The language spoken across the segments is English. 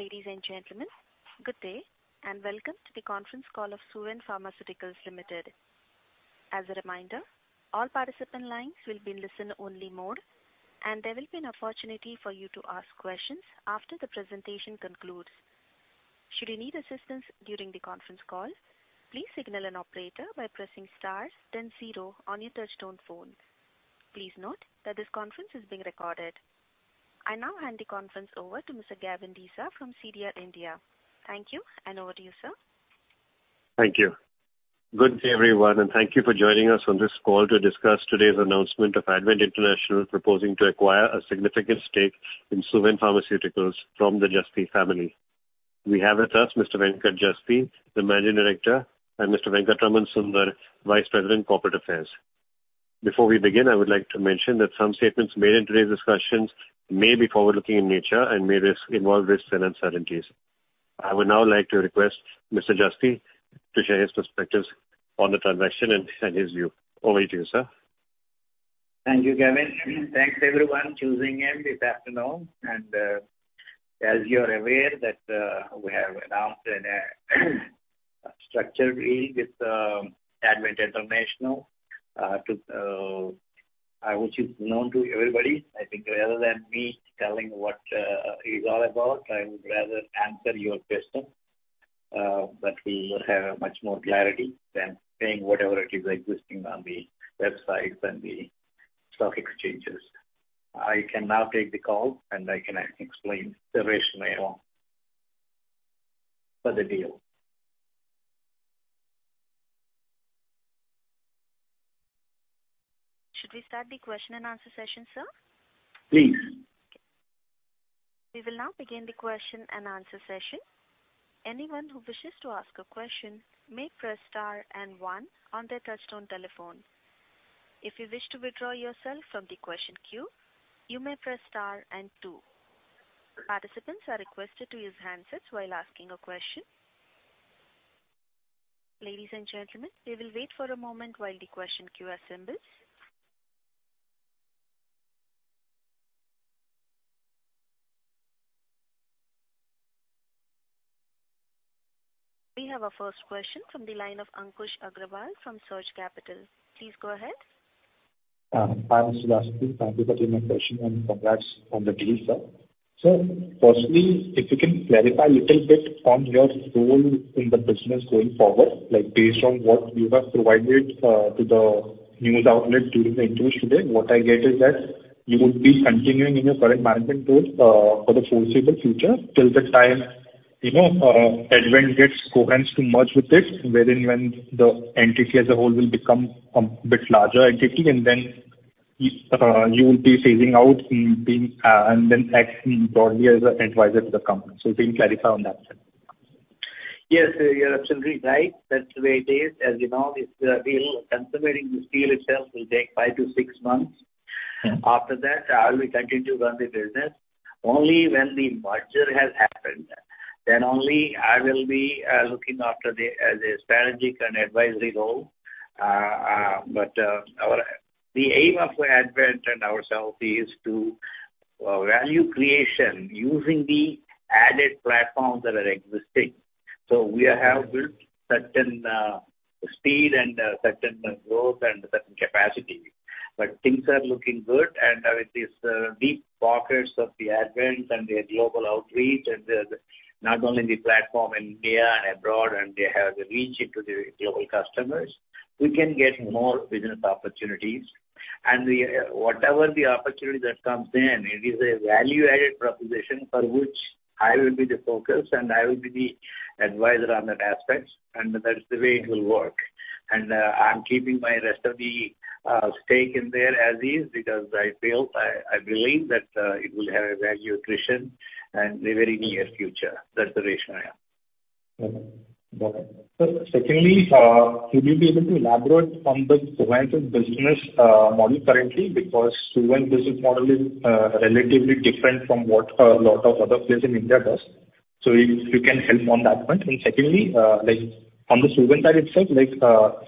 Ladies and gentlemen, good day and welcome to the conference call of Suven Pharmaceuticals Limited. As a reminder, all participant lines will be in listen-only mode, and there will be an opportunity for you to ask questions after the presentation concludes. Should you need assistance during the conference call, please signal an operator by pressing star then zero on your touchtone phone. Please note that this conference is being recorded. I now hand the conference over to Mr. Gavin Desa from CDR India. Thank you and over to you, sir. Thank you. Good day, everyone, and thank you for joining us on this call to discuss today's announcement of Advent International proposing to acquire a significant stake in Suven Pharmaceuticals from the Jasti family. We have with us Mr. Venkat Jasti, the managing director, and Mr. Sunder Venkatraman, vice president, corporate affairs. Before we begin, I would like to mention that some statements made in today's discussions may be forward-looking in nature and may involve risks and uncertainties. I would now like to request Mr. Jasti to share his perspectives on the transaction and his view. Over to you, sir. Thank you, Gavin. Thanks everyone tuning in this afternoon. As you're aware that we have announced that structurally with Advent International Which is known to everybody, I think rather than me telling what it is all about, I would rather answer your question. We will have much more clarity than saying whatever it is existing on the websites and the stock exchanges. I can now take the call, and I can explain the rationale for the deal. Should we start the question and answer session, sir? Please. We will now begin the question and answer session. Anyone who wishes to ask a question may press star and 1 on their touchtone telephone. If you wish to withdraw yourself from the question queue, you may press star and 2. Participants are requested to use handsets while asking a question. Ladies and gentlemen, we will wait for a moment while the question queue assembles. We have our first question from the line of Ankush Agrawal from Surge Capital. Please go ahead. Hi, Mr. Jasti. Thank you for taking my question and congrats on the deal, sir. Firstly, if you can clarify a little bit on your role in the business going forward, like, based on what you have provided to the news outlets during the interviews today, what I get is that you would be continuing in your current management role for the foreseeable future till the time, you know, Advent gets Cohance to merge with it, wherein when the entity as a whole will become a bit larger entity and then you will be phasing out in being and then acting broadly as an advisor to the company. If you can clarify on that, sir. Yes, you're absolutely right. That's the way it is. As you know, consummating this deal itself will take five to six months. Mm-hmm. After that, I will continue to run the business. Only when the merger has happened, then only I will be looking after the strategic and advisory role. The aim of Advent and ourselves is to value creation using the added platforms that are existing. We have built certain speed and certain growth and certain capacity. Things are looking good and with these deep pockets of the Advent and their global outreach and the, not only the platform in India and abroad, and they have the reach into the global customers, we can get more business opportunities. Whatever the opportunity that comes in, it is a value-added proposition for which I will be the focus and I will be the advisor on that aspect, and that's the way it will work. I'm keeping my rest of the stake in there as is because I feel, I believe that it will have a value accretion in the very near future. That's the rationale. Got it. Sir, secondly, could you be able to elaborate on the Cohance's business model currently? Suven business model is relatively different from what a lot of other players in India does. If you can help on that front. Secondly, like, from the Suven side itself, like,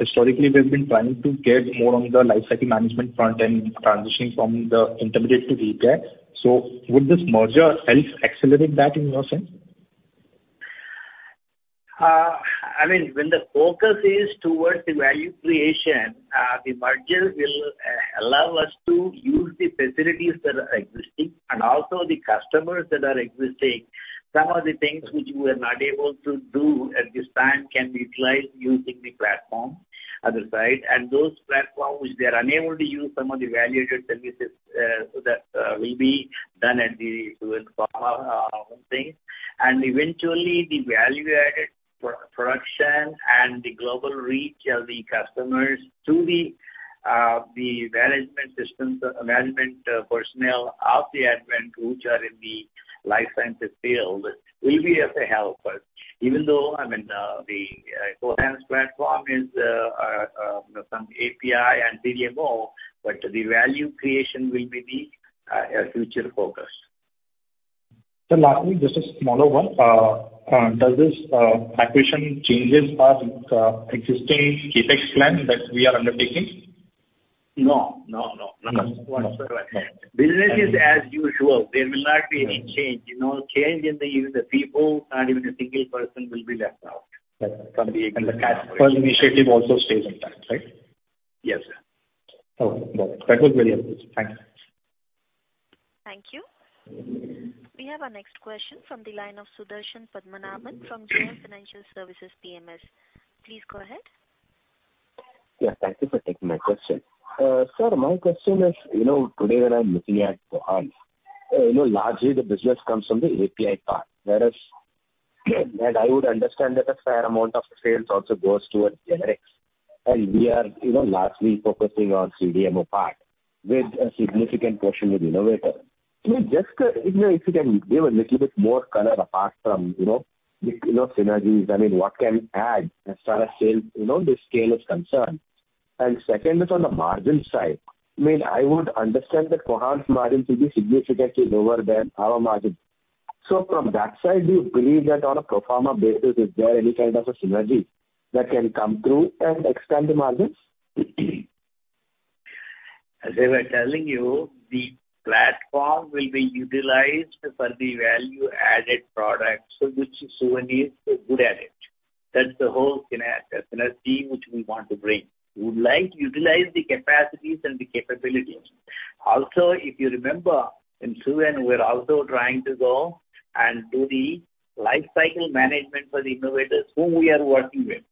historically we've been planning to get more on the lifecycle management front and transitioning from the intermediate to API. Would this merger help accelerate that in your sense? I mean, when the focus is towards the value creation, the merger will allow us to use the facilities that are existing and also the customers that are existing. Some of the things which we were not able to do at this time can be utilized using the platform, other side. Those platforms which they are unable to use some of the value-added services, so that will be done at the Suven Pharma thing. Eventually the value-added production and the global reach of the customers to the management systems, management personnel of the Advent, which are in the life sciences field, will be as a helper. Even though, I mean, the Cohance platform is some API and CDMO, the value creation will be the future focus. Sir, lastly, this is smaller one. Does this acquisition changes our existing CapEx plan that we are undertaking? No. No, no. No. Not whatsoever. Business is as usual. There will not be any change. No change in the, even the people, not even a single person will be left out from the acquisition. The cash initiative also stays intact, right? Yes, sir. Okay, got it. That was very helpful. Thanks. Thank you. We have our next question from the line of Sudarshan Padmanabhan from JM Financial Services PMS. Please go ahead. Yeah, thank you for taking my question. Sir, my question is, you know, today when I'm looking at Cohance, you know, largely the business comes from the API part. Whereas I would understand that a fair amount of the sales also goes towards generics. We are, you know, largely focusing on CDMO part with a significant portion with innovator. Can you just, you know, if you can give a little bit more color apart from, you know, the, you know, synergies. I mean, what can add as far as sales, you know, the scale is concerned. Second is on the margin side. I mean, I would understand that Cohance's margin to be significantly lower than our margin. From that side, do you believe that on a pro forma basis, is there any kind of a synergy that can come through and expand the margins? As I was telling you, the platform will be utilized for the value-added products for which Suven is good at it. That's the whole synergy which we want to bring. We would like to utilize the capacities and the capabilities. Also, if you remember, in Suven we're also trying to go and do the lifecycle management for the innovators whom we are working with.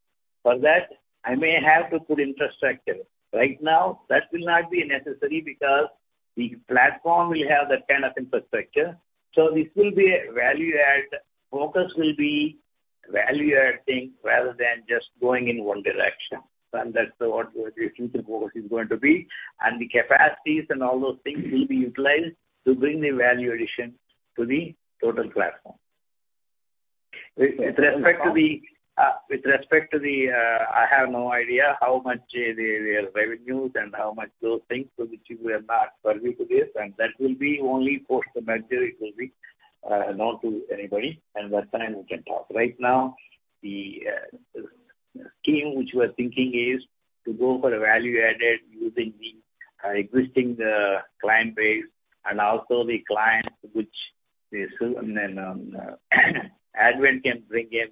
For that, I may have to put infrastructure. Right now, that will not be necessary because the platform will have that kind of infrastructure. This will be a value add. Focus will be value adding rather than just going in one direction. That's what the future focus is going to be. The capacities and all those things will be utilized to bring the value addition to the total platform. With respect to the, with respect to the, I have no idea how much their revenues and how much those things for which you were not privy to this. That will be only post the merger it will be known to anybody, and that time we can talk. Right now, the scheme which we are thinking is to go for a value-added using the existing client base and also the clients which the Suven and Advent can bring in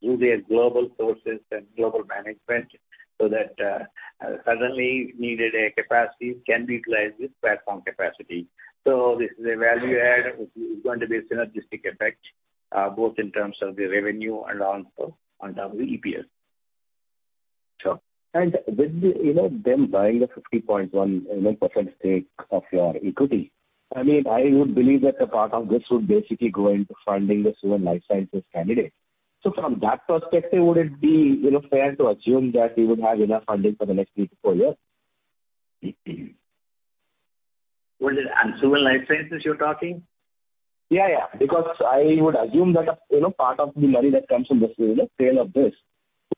through their global sources and global management so that suddenly needed a capacity can be utilized with platform capacity. So this is a value add, which is going to be a synergistic effect, both in terms of the revenue and also on top of the EPS. Sure. With the, you know, them buying the 50.1%, you know, stake of your equity, I mean, I would believe that a part of this would basically go into funding the Suven Life Sciences candidate. From that perspective, would it be, you know, fair to assume that you would have enough funding for the next three to four years? Was it, Suven Life Sciences you're talking? Yeah. I would assume that, you know, part of the money that comes from the sale of this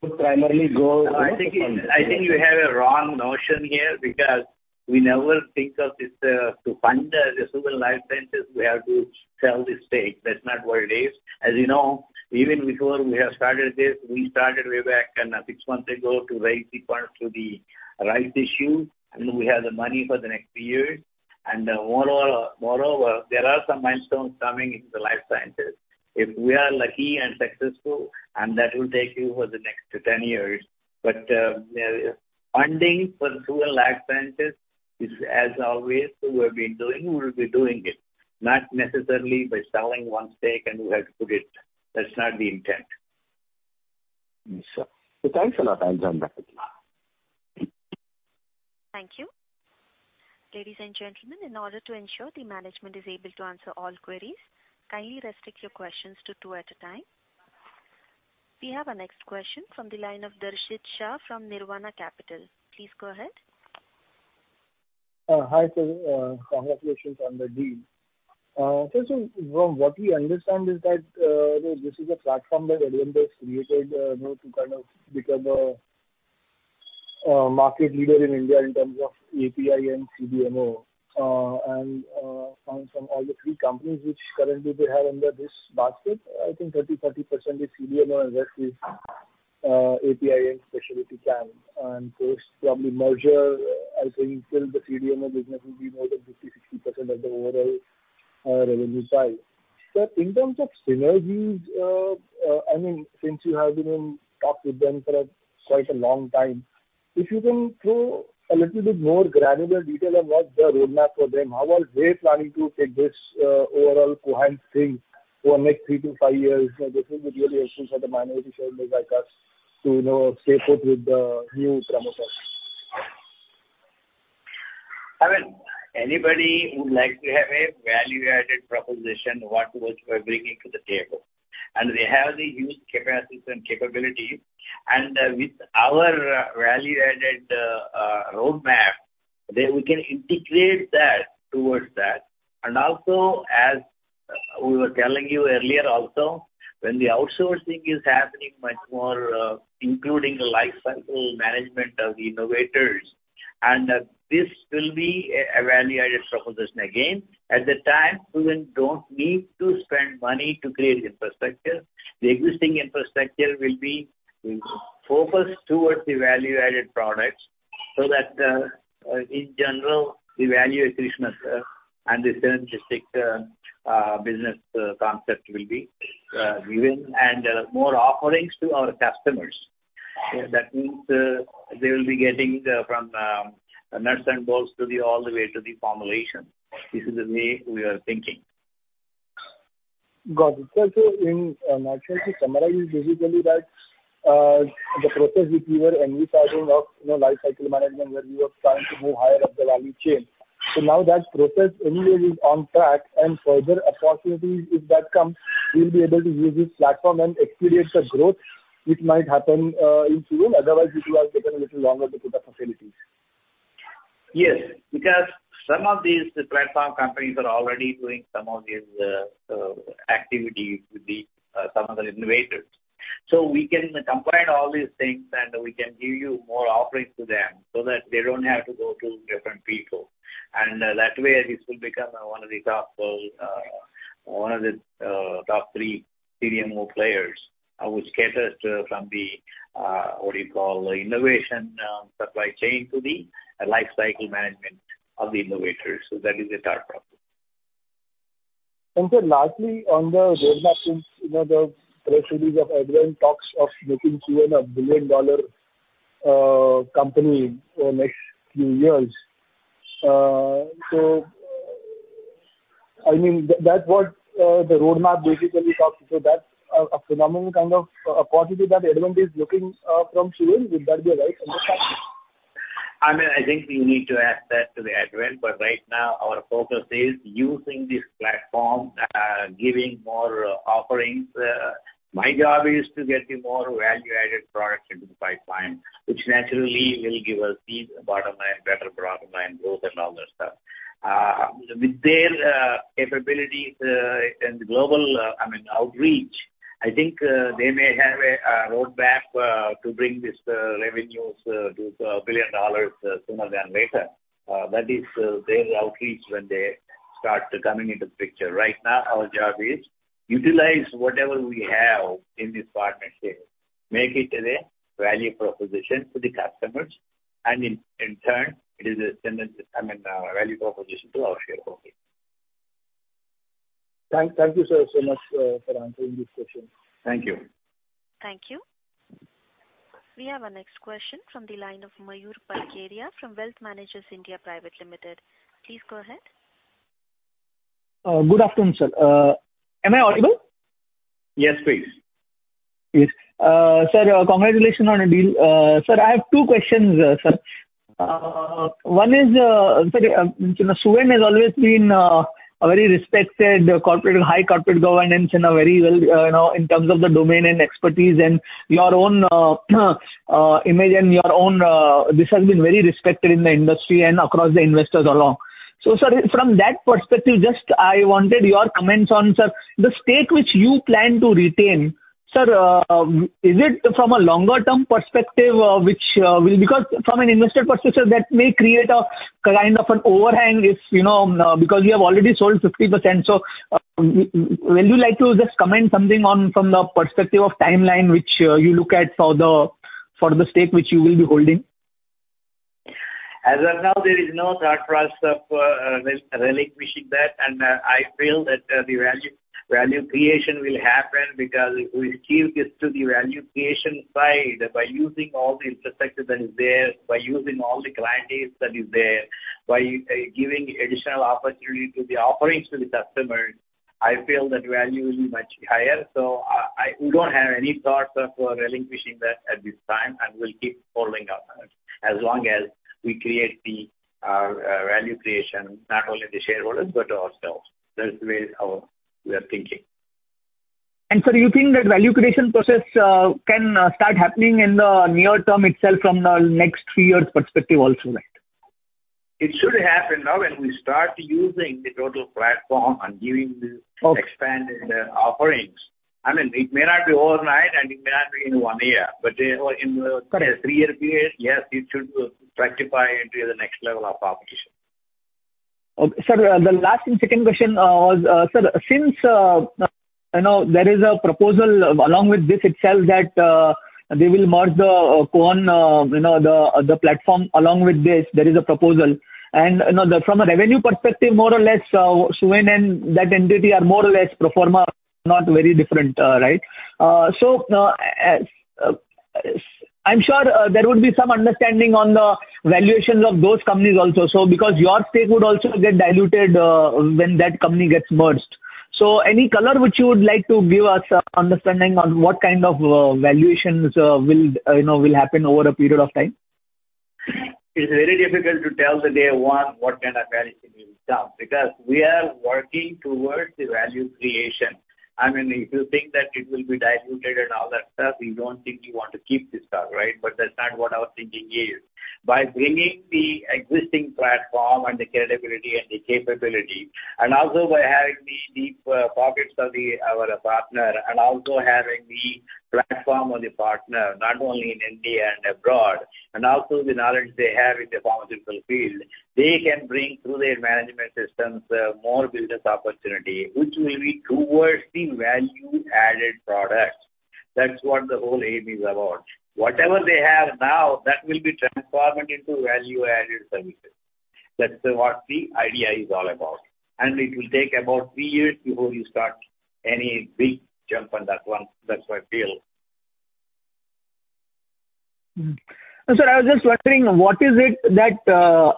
would primarily go. I think you have a wrong notion here because we never think of this to fund the Suven Life Sciences we have to sell this stake. That's not what it is. As you know, even before we have started this, we started way back six months ago to raise the funds through the rights issue, and we have the money for the next few years. Moreover, there are some milestones coming into the Life Sciences. If we are lucky and successful, and that will take you for the next 10 years. Funding for Suven Life Sciences is as always we've been doing, we'll be doing it. Not necessarily by selling one stake and we have to put it. That's not the intent. Yes, sir. Thanks a lot. I'm done. Thank you. Ladies and gentlemen, in order to ensure the management is able to answer all queries, kindly restrict your questions to two at a time. We have our next question from the line of Darshit Shah from Nirvana Capital. Please go ahead. Hi, sir. Congratulations on the deal. So, so from what we understand is that, this is a platform that Advent has created, you know, to kind of become a market leader in India in terms of API and CDMO. From all the three companies which currently they have under this basket, I think 30%-40% is CDMO and rest is API and specialty chem. Post probably merger, I think still the CDMO business will be more than 50%-60% of the overall revenue side. In terms of synergies, I mean, since you have been in talks with them for a quite a long time, if you can throw a little bit more granular detail on what's the roadmap for them? How are they planning to take this overall Cohance thing over the next three to five years? You know, this will be really useful for the minority shareholders like us to, you know, stay put with the new promoters. I mean, anybody would like to have a value-added proposition, what was, we're bringing to the table. We have the huge capacities and capabilities. With our value-added roadmap, then we can integrate that towards that. Also, as we were telling you earlier also, when the outsourcing is happening much more, including the lifecycle management of innovators, and this will be a value-added proposition again. At the time, Suven don't need to spend money to create infrastructure. The existing infrastructure will be focused towards the value-added products. That, in general, the value addition and the synergistic business concept will be given, and more offerings to our customers. That means they will be getting from nuts and bolts to the all the way to the formulation. This is the way we are thinking. Got it. I'm actually summarizing basically that, the process which we were envisaging of, you know, lifecycle management, where we were trying to move higher up the value chain. That process anyway is on track and further opportunities, if that comes, we'll be able to use this platform and experience the growth which might happen in Suven. Otherwise, it would have taken a little longer to put up facilities. Yes. Because some of these platform companies are already doing some of these activities with some of the innovators. We can combine all these things and we can give you more offerings to them so that they don't have to go to different people. That way, this will become one of the top, one of the top three CDMO players which caters to from the what do you call, innovation supply chain to the lifecycle management of the innovators. That is the third product. Sir, lastly, on the roadmap since, you know, the president of Advent talks of making Suven a billion dollar company over next few years. I mean, that's what the roadmap basically talks. That's a phenomenal kind of a positive that Advent is looking from Suven. Would that be a right understanding? I mean, I think we need to ask that to Advent. Right now, our focus is using this platform, giving more offerings. My job is to get the more value-added products into the pipeline, which naturally will give us the bottom line, better bottom line growth and all that stuff. With their capabilities, and global, I mean, outreach, I think, they may have a roadmap to bring this revenues to $1 billion sooner than later. That is their outreach when they start coming into the picture. Right now, our job is utilize whatever we have in this partnership, make it a value proposition to the customers, and in turn, it is a synergistic, I mean, value proposition to our shareholders. Thank you, sir, so much for answering this question. Thank you. Thank you. We have our next question from the line of Mayur Parkeria from Wealth Managers India Private Limited. Please go ahead. Good afternoon, sir. Am I audible? Yes, please. Yes. Sir, congratulations on the deal. Sir, I have two questions, sir. One is, sir, Suven has always been a very respected corporate, high corporate governance and a very well, you know, in terms of the domain and expertise and your own image and your own, this has been very respected in the industry and across the investors along. Sir, from that perspective, just I wanted your comments on, sir, the stake which you plan to retain. Sir, is it from a longer-term perspective, which will... Because from an investor perspective, that may create a kind of an overhang if, you know, because you have already sold 50%. Will you like to just comment something on from the perspective of timeline which you look at for the stake which you will be holding? As of now, there is no thought process of relinquishing that. I feel that value creation will happen because we skill this to the value creation side by using all the infrastructure that is there, by using all the client base that is there, by giving additional opportunity to the offerings to the customers. I feel that value will be much higher. We don't have any thoughts of relinquishing that at this time, and we'll keep holding our shares. As long as we create the value creation, not only the shareholders, but ourselves. That's the way how we are thinking. Sir, do you think that value creation process can start happening in the near term itself from the next three years perspective also, right? It should happen now when we start using the total platform and giving. Okay. expanded offerings. I mean, it may not be overnight, and it may not be in one year, but in the... Got it. three-year period, yes, it should fructify into the next level of proposition. Okay. Sir, the last and second question, was, sir, since, you know, there is a proposal along with this itself that, they will merge the Cohance, you know, the platform along with this, there is a proposal. You know, from a revenue perspective, more or less, Suven and that entity are more or less pro forma, not very different, right? I'm sure there would be some understanding on the valuations of those companies also. Because your stake would also get diluted, when that company gets merged. Any color which you would like to give us understanding on what kind of valuations will, you know, will happen over a period of time? It's very difficult to tell the day one what kind of valuation will come, because we are working towards the value creation. I mean, if you think that it will be diluted and all that stuff, you don't think you want to keep the stock, right? That's not what our thinking is. By bringing the existing platform and the credibility and the capability, and also by having the deep pockets of our partner, and also having the platform of the partner, not only in India and abroad, and also the knowledge they have in the pharmaceutical field, they can bring through their management systems, more business opportunity, which will be towards the value-added products. That's what the whole aim is about. Whatever they have now, that will be transformed into value-added services. That's what the idea is all about, and it will take about three years before you start any big jump on that one. That's what I feel. Sir, I was just wondering, what is it that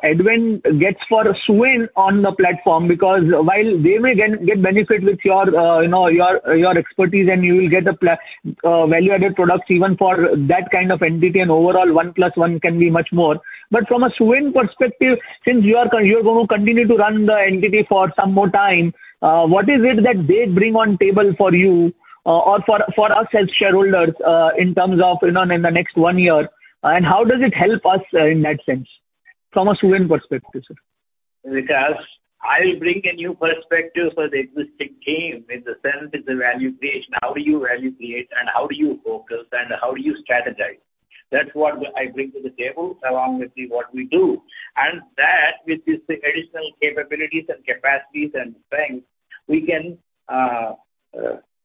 Advent gets for Suven on the platform? While they may get benefit with your, you know, your expertise, and you will get value-added products even for that kind of entity and overall one plus one can be much more. From a Suven perspective, since you're going to continue to run the entity for some more time, what is it that they bring on table for you, or for us as shareholders, in terms of, you know, in the next one year? How does it help us in that sense from a Suven perspective, sir? Vikas, I bring a new perspective for the existing team in the sense it's a value creation. How do you value create and how do you focus and how do you strategize? That's what I bring to the table along with the what we do. That, with these additional capabilities and capacities and strengths, we can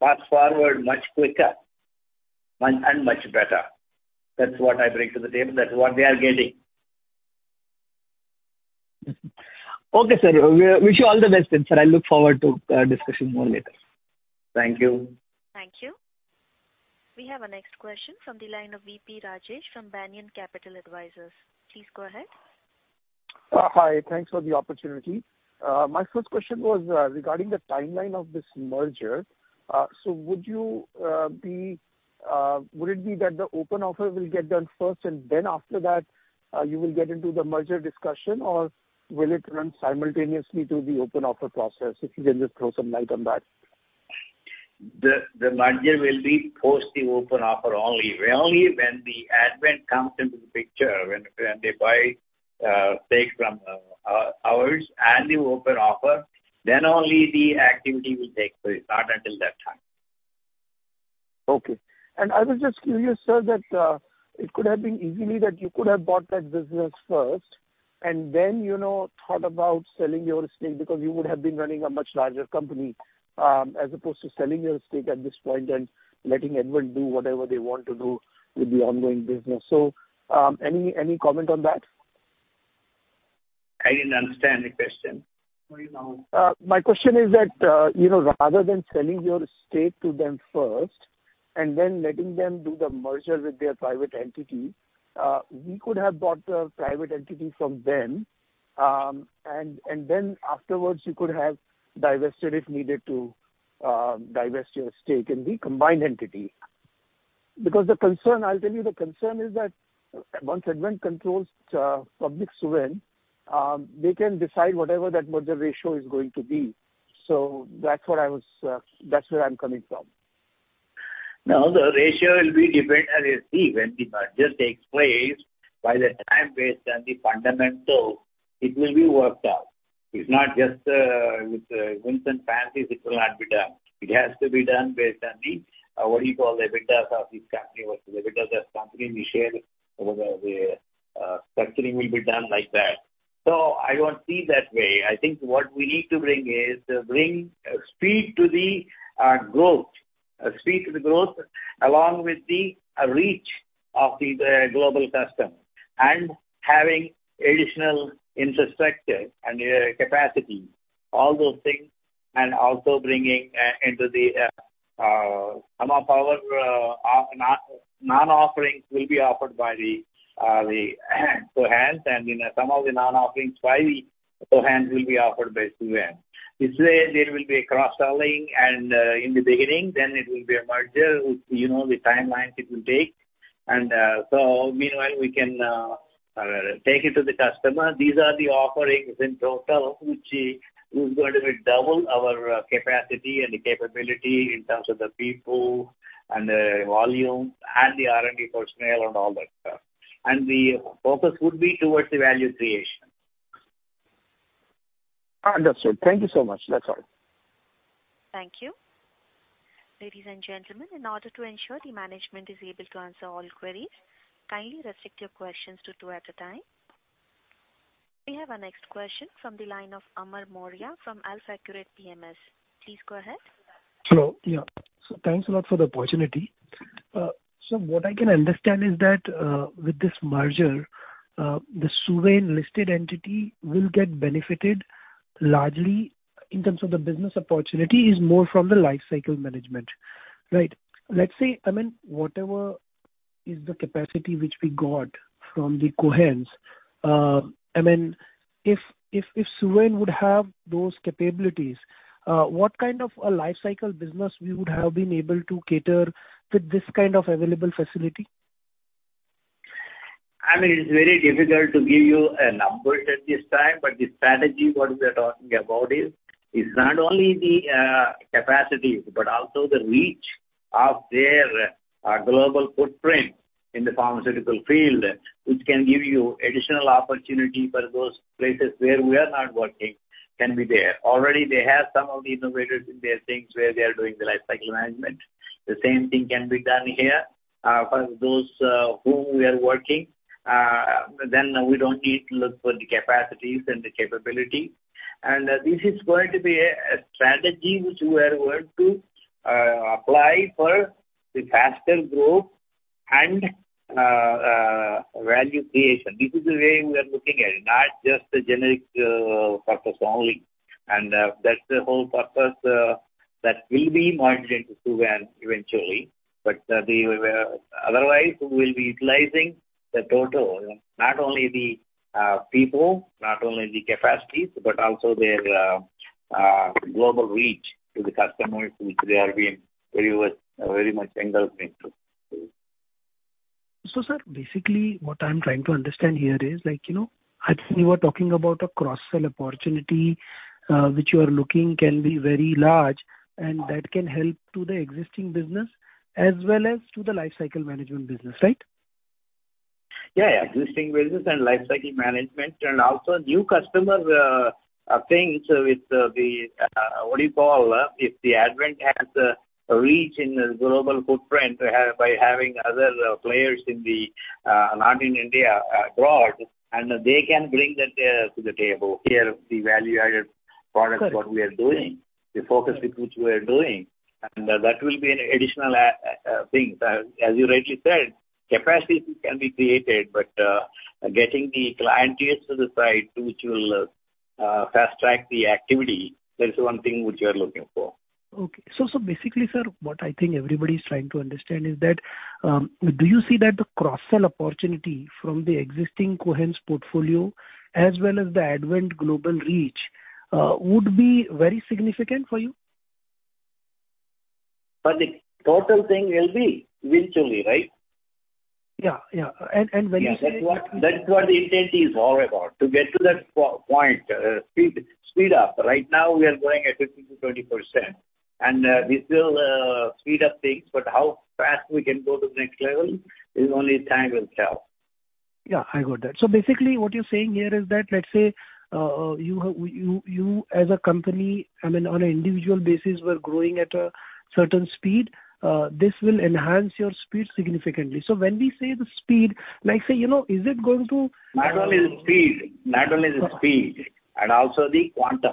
fast-forward much quicker and much better. That's what I bring to the table. That's what they are getting. Okay, sir. We wish you all the best then, sir. I look forward to discussing more later. Thank you. Thank you. We have our next question from the line of V.P. Rajesh from Banyan Capital Advisors. Please go ahead. Hi. Thanks for the opportunity. My first question was regarding the timeline of this merger. Would it be that the open offer will get done first, and then after that, you will get into the merger discussion? Will it run simultaneously to the open offer process? If you can just throw some light on that. The merger will be post the open offer only. Only when Advent comes into the picture, when they buy stake from ours and the open offer, then only the activity will take place. Not until that time. Okay. I was just curious, sir, that it could have been easily that you could have bought that business first and then, you know, thought about selling your stake because you would have been running a much larger company, as opposed to selling your stake at this point and letting Advent do whatever they want to do with the ongoing business. Any comment on that? I didn't understand the question. Sorry. My question is that, you know, rather than selling your stake to them first and then letting them do the merger with their private entity, we could have bought the private entity from them, and then afterwards you could have divested if needed to divest your stake in the combined entity. Because the concern, I'll tell you the concern is that once Advent controls public Suven, they can decide whatever that merger ratio is going to be. That's what I was, that's where I'm coming from. No, the ratio will be dependent. When the merger takes place, by the time based on the fundamentals, it will be worked out. It's not just with whims and fancies it will not be done. It has to be done based on what do you call, the EBITDA of this company versus EBITDA that company, we share the structuring will be done like that. I don't see it that way. I think what we need to bring is bring speed to the growth, speed to the growth along with the reach of the global customer and having additional infrastructure and capacity, all those things, and also bringing into some of our non-offerings will be offered by Cohance. You know, some of the non-offerings by Cohance will be offered by Suven. This way there will be a cross-selling and in the beginning, then it will be a merger, you know, the timelines it will take. Meanwhile, we can take it to the customer. These are the offerings in total which is going to double our capacity and capability in terms of the people and the volume and the R&D personnel and all that stuff. The focus would be towards the value creation. Understood. Thank you so much. That's all. Thank you. Ladies and gentlemen, in order to ensure the management is able to answer all queries, kindly restrict your questions to two at a time. We have our next question from the line of Amar Maurya from AlfAccurate PMS. Please go ahead. Hello. Yeah. Thanks a lot for the opportunity. What I can understand is that, with this merger, the Suven listed entity will get benefited largely in terms of the business opportunity is more from the lifecycle management. Right? Let's say, I mean, whatever is the capacity which we got from the Cohance, I mean, if Suven would have those capabilities, what kind of a lifecycle business we would have been able to cater with this kind of available facility? I mean, it's very difficult to give you numbers at this time. The strategy what we're talking about is not only the capacities but also the reach of their global footprint in the pharmaceutical field, which can give you additional opportunity for those places where we are not working can be there. Already they have some of the innovators in their things where they are doing the lifecycle management. The same thing can be done here for those whom we are working. We don't need to look for the capacities and the capability. This is going to be a strategy which we are going to apply for the faster growth and value creation. This is the way we are looking at it, not just the generic purpose only. That's the whole purpose that will be merged into Suven eventually. The otherwise we will be utilizing the total, not only the people, not only the capacities, but also their global reach to the customers which they are being very much engulfed into. Sir, basically what I'm trying to understand here is, like, you know, actually you are talking about a cross-sell opportunity, which you are looking can be very large and that can help to the existing business as well as to the lifecycle management business, right? Yeah. Existing business and lifecycle management and also new customers are things with the, what do you call, if Advent has a reach in the global footprint by having other players in the, not in India, abroad, and they can bring that to the table here, the value-added products what we are doing. Correct. The focus with which we are doing. That will be an additional thing. As you rightly said, capacity can be created, but getting the clientage to the site which will fast-track the activity, that is one thing which we are looking for. Okay. So basically, sir, what I think everybody is trying to understand is that, do you see that the cross-sell opportunity from the existing Cohance portfolio as well as the Advent global reach, would be very significant for you? The total thing will be eventually, right? Yeah, yeah. That's what the intent is all about, to get to that point, speed up. Right now we are growing at 15%-20%, and we still speed up things, but how fast we can go to the next level is only time will tell. Yeah, I got that. Basically what you're saying here is that, let's say, you as a company, I mean, on an individual basis, were growing at a certain speed, this will enhance your speed significantly. When we say the speed, like say, you know. Not only the speed, and also the quantum.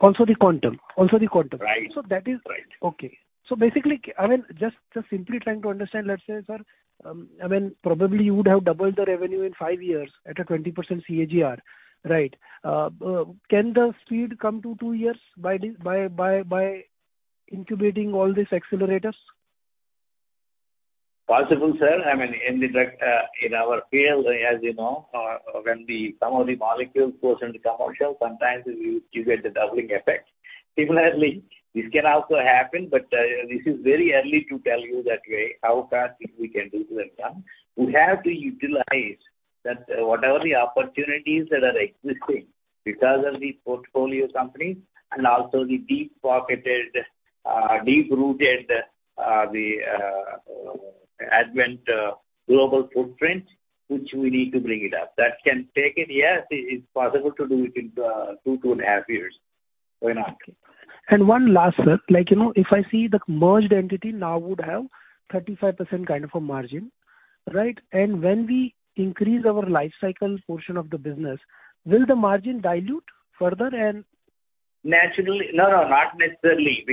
Also the quantum. Right. So that is- Right. Okay. Basically, I mean, just simply trying to understand, let's say, sir, I mean, probably you would have doubled the revenue in 5 years at a 20% CAGR, right? Can the speed come to 2 years by this, by incubating all these accelerators? Possible, sir. I mean, in the drug, in our field, as you know, when some of the molecules goes into commercial, sometimes you get the doubling effect. Similarly, this can also happen, but this is very early to tell you that way how fast we can do to that time. We have to utilize that whatever the opportunities that are existing because of the portfolio companies and also the deep-pocketed, deep-rooted, Advent global footprint, which we need to bring it up. That can take it, yes, it's possible to do it in 2 and a half years. Why not? One last, sir. Like, you know, if I see the merged entity now would have 35% kind of a margin, right? When we increase our lifecycle portion of the business, will the margin dilute further? Not necessarily.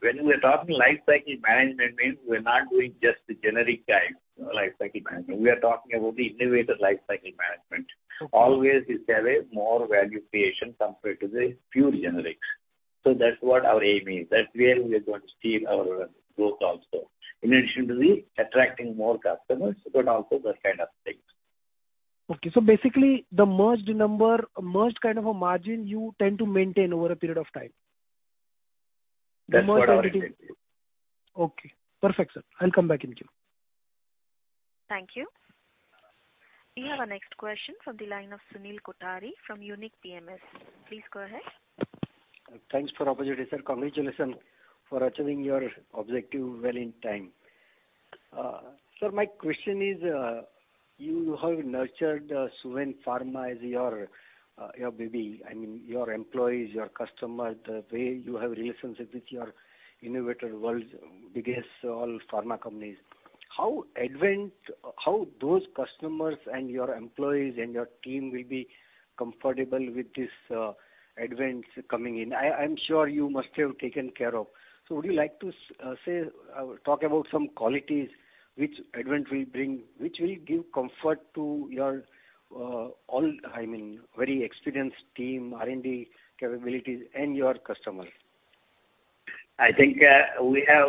When we're talking lifecycle management, means we're not doing just the generic-type lifecycle management. We are talking about the innovator lifecycle management. Always this have a more value creation compared to the pure generics. That's what our aim is. That's where we are going to steer our growth also. In addition to the attracting more customers, but also that kind of things. Okay. Basically the merged number, merged kind of a margin you tend to maintain over a period of time. That's what I would say. Okay. Perfect, sir. I'll come back in queue. Thank you. We have our next question from the line of Sunil Kothari from Unique PMS. Please go ahead. Thanks for opportunity, sir. Congratulations for achieving your objective well in time. sir, my question is, you have nurtured Suven Pharma as your baby. I mean, your employees, your customers, the way you have relationship with your innovator world's biggest all pharma companies. How Advent, how those customers and your employees and your team will be comfortable with this Advent coming in? I'm sure you must have taken care of. Would you like to say, talk about some qualities which Advent will bring, which will give comfort to your all, I mean, very experienced team, R&D capabilities and your customers? I think, we have,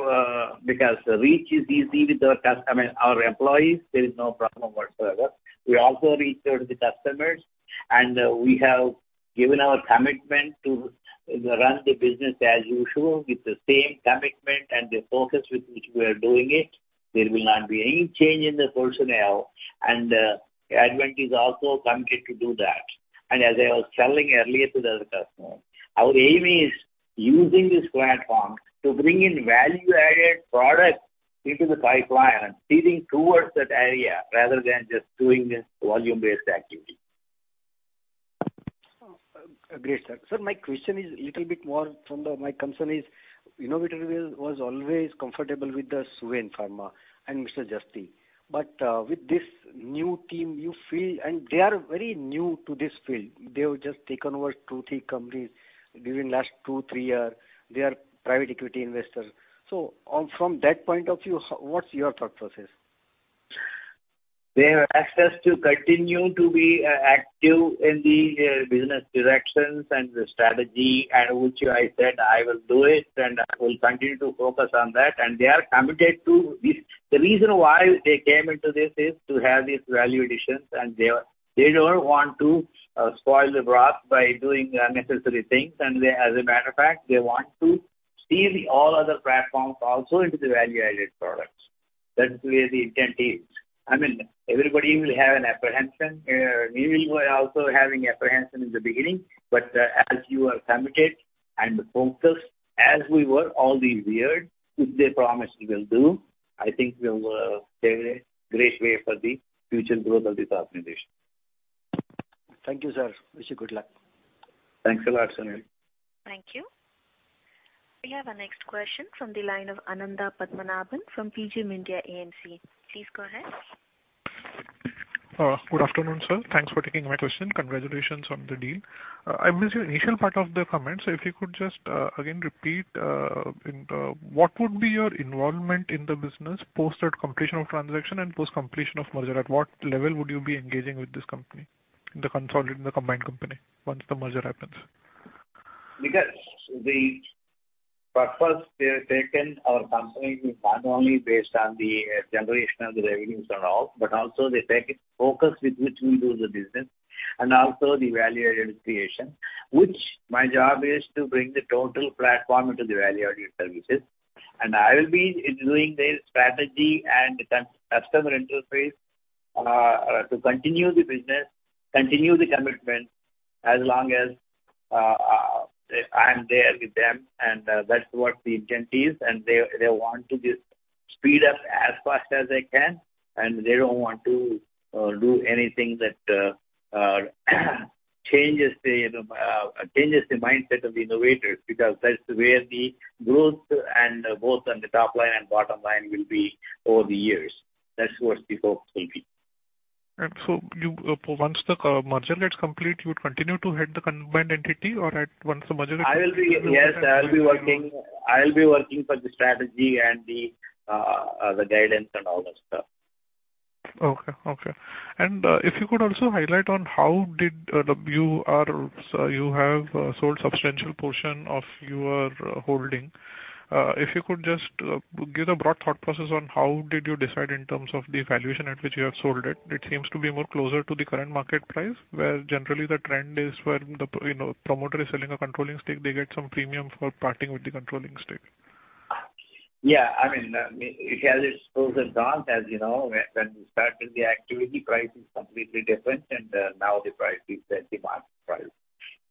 because reach is easy with our, I mean, our employees, there is no problem whatsoever. We also reach out to the customers, and we have given our commitment to run the business as usual with the same commitment and the focus with which we are doing it. There will not be any change in the personnel, and Advent is also committed to do that. As I was telling earlier to the customer, our aim is using this platform to bring in value-added products into the pipeline and steering towards that area rather than just doing this volume-based activity. Great, sir. Sir, my question is a little bit more from the my concern is Innovator was always comfortable with the Suven Pharma and Mr. Jasti. with this new team, you feel... They are very new to this field. They have just taken over two, three companies during last two, three years. They are private equity investors. On from that point of view, what's your thought process? They have asked us to continue to be active in the business directions and the strategy, and which I said I will do it, and I will continue to focus on that. They are committed to this. The reason why they came into this is to have these value additions, and they don't want to spoil the broth by doing unnecessary things. As a matter of fact, they want to steer the all other platforms also into the value-added products. That's where the intent is. I mean, everybody will have an apprehension. We will be also having apprehension in the beginning. As you are committed and focused as we were all these years, which they promised we will do, I think we'll have a great way for the future growth of this organization. Thank you, sir. Wish you good luck. Thanks a lot, Sunil. Thank you. We have our next question from the line of Ananda Padmanabhan from PGIM India AMC. Please go ahead. Good afternoon, sir. Thanks for taking my question. Congratulations on the deal. I missed your initial part of the comment. If you could just again repeat in what would be your involvement in the business post that completion of transaction and post-completion of merger? At what level would you be engaging with this company, in the combined company once the merger happens? Because the purpose they have taken our company is not only based on the generation of the revenues and all, but also the focus with which we do the business and also the value-added creation, which my job is to bring the total platform into the value-added services. I will be doing the strategy and the customer interface to continue the business, continue the commitment as long as I am there with them, and that's what the intent is. They want to just speed up as fast as they can, and they don't want to do anything that changes the mindset of the innovators, because that's where the growth and both on the top line and bottom line will be over the years. That's what the hope will be. You Once the merger gets complete, you would continue to head the combined entity? Or at once the merger gets Yes, I'll be working for the strategy and the guidance and all that stuff. Okay. Okay. If you could also highlight on how did you have sold substantial portion of your holding, if you could just give a broad thought process on how did you decide in terms of the valuation at which you have sold it? It seems to be more closer to the current market price, where generally the trend is when the, you know, promoter is selling a controlling stake, they get some premium for parting with the controlling stake. Yeah. I mean, it has its dos and don'ts, as you know. When we started the activity, price is completely different and, now the price is set the market price.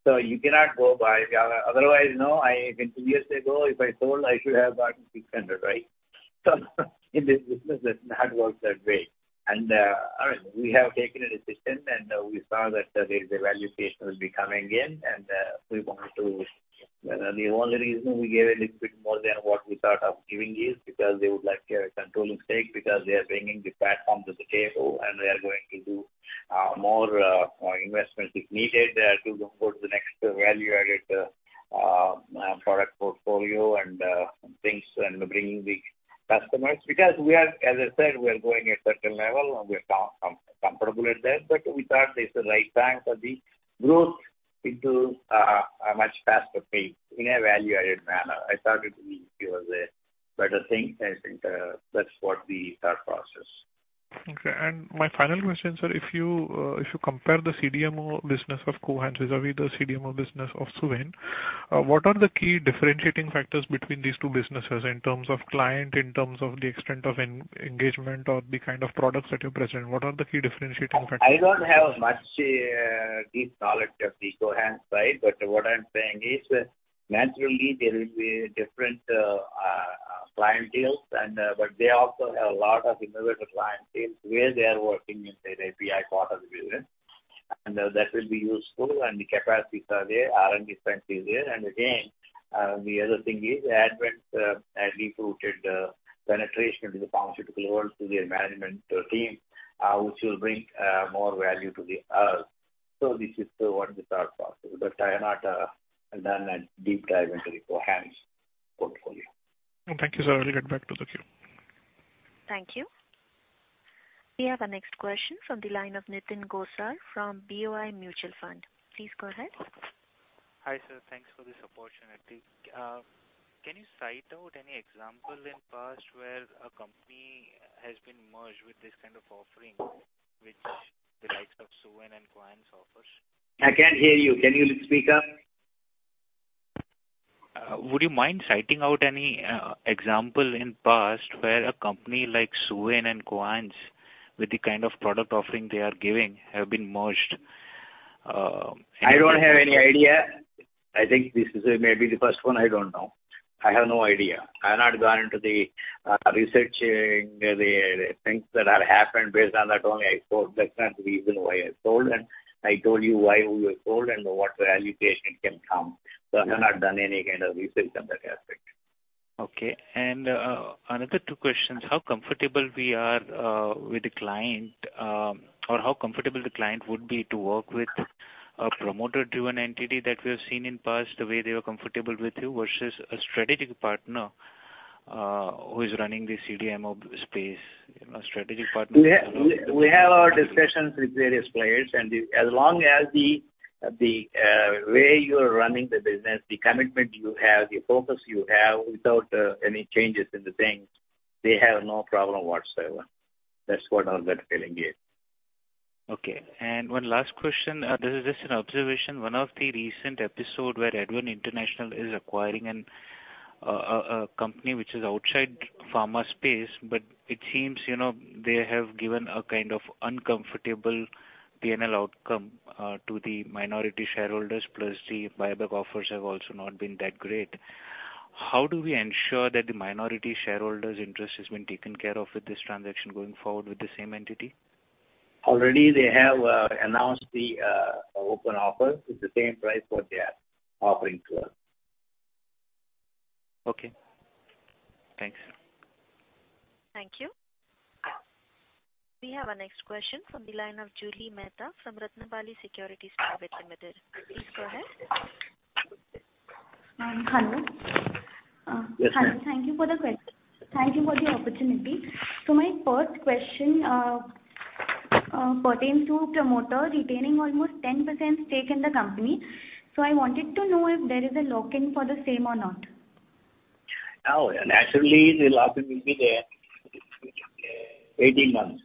You cannot go by... Otherwise, you know, I mean, two years ago, if I sold, I should have gotten 600, right? In this business, it not works that way. All right, we have taken a decision, and, we saw that, there is a valuation will be coming in, and, we want to... The only reason we gave a little bit more than what we thought of giving is because they would like a controlling stake because they are bringing the platform to the table and they are going to do more, more investments if needed to go for the next value-added product portfolio and things and bringing the customers. We are, as I said, we are going a certain level and we are comfortable at that. We thought this is the right time for the growth into a much faster pace in a value-added manner. I thought it was a better thing. I think that's what the thought process. Okay. My final question, sir: If you compare the CDMO business of Cohance vis-à-vis the CDMO business of Suven, what are the key differentiating factors between these two businesses in terms of client, in terms of the extent of engagement or the kind of products that you present? What are the key differentiating factors? I don't have much deep knowledge of the Cohance side, but what I'm saying is, naturally there will be different client deals and, but they also have a lot of innovative client deals where they are working in the API part of the business, and that will be useful. The capacities are there, R&D strength is there. Again, the other thing is the Advent deeply rooted penetration into the pharmaceutical world through their management team, which will bring more value to the. This is what the thought process is. I have not done a deep dive into the Cohance portfolio. Thank you, sir. I'll get back to the queue. Thank you. We have our next question from the line of Nitin Gosar from BOI Mutual Fund. Please go ahead. Hi, sir. Thanks for this opportunity. Can you cite out any example in past where a company has been merged with this kind of offering with the likes of Suven and Cohance offers? I can't hear you. Can you speak up? would you mind citing out any example in past where a company like Suven and Cohance with the kind of product offering they are giving have been merged? I don't have any idea. I think this is maybe the first one. I don't know. I have no idea. I have not gone into researching the things that have happened based on that only. I told that's not the reason why I sold, and I told you why we were sold and what value creation can come. I have not done any kind of research on that aspect. Okay. Another two questions. How comfortable we are with the client, or how comfortable the client would be to work with a promoter-driven entity that we have seen in past, the way they were comfortable with you, versus a strategic partner, who is running the CDMO space. You know. We have our discussions with various players, and as long as the way you're running the business, the commitment you have, the focus you have, without any changes in the things, they have no problem whatsoever. That's what our gut feeling is. Okay. One last question. This is just an observation. One of the recent episode where Advent International is acquiring a company which is outside pharma space, but it seems, you know, they have given a kind of uncomfortable P&L outcome to the minority shareholders, plus the buyback offers have also not been that great. How do we ensure that the minority shareholders' interest has been taken care of with this transaction going forward with the same entity? Already they have announced the open offer with the same price what they are offering to us. Okay. Thanks. Thank you. We have our next question from the line of Julie Mehta from Ratnabali Securities Private Limited. Please go ahead. Hello. Yes, ma'am. Hello. Thank you for the opportunity. My first question pertains to promoter retaining almost 10% stake in the company. I wanted to know if there is a lock-in for the same or not. No. Naturally, the lock-in will be there, 18 months.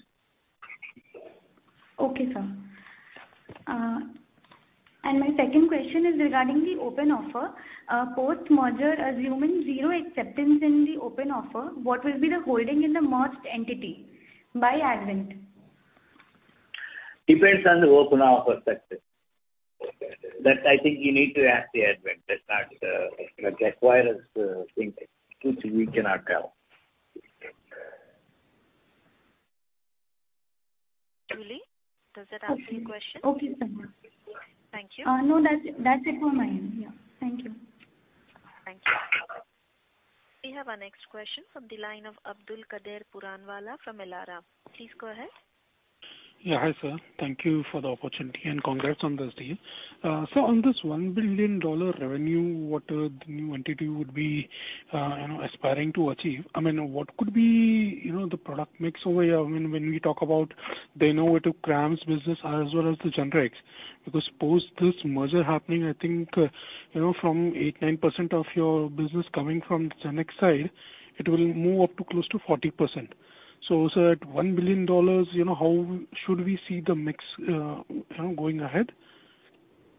Okay, sir. My second question is regarding the open offer. Post-merger, assuming 0 acceptance in the open offer, what will be the holding in the merged entity by Advent? Depends on the open offer success. Okay. That I think you need to ask the Advent. That's not, like, acquirers', thing. Which we cannot tell. Julie, does that answer your question? Okay, sir. Yeah. Thank you. no, that's it from my end. Yeah. Thank you. Thank you. We have our next question from the line of Abdulkader Puranwala from Elara. Please go ahead. Yeah, hi, sir. Thank you for the opportunity, and congrats on this deal. On this $1 billion revenue, what the new entity would be, you know, aspiring to achieve? I mean, what could be, you know, the product mix over here? I mean, when we talk about the innovative CRAMS business as well as the generics. Post this merger happening, I think, you know, from 8%-9% of your business coming from generic side, it will move up to close to 40%. Sir, at $1 billion, you know, how should we see the mix, you know, going ahead?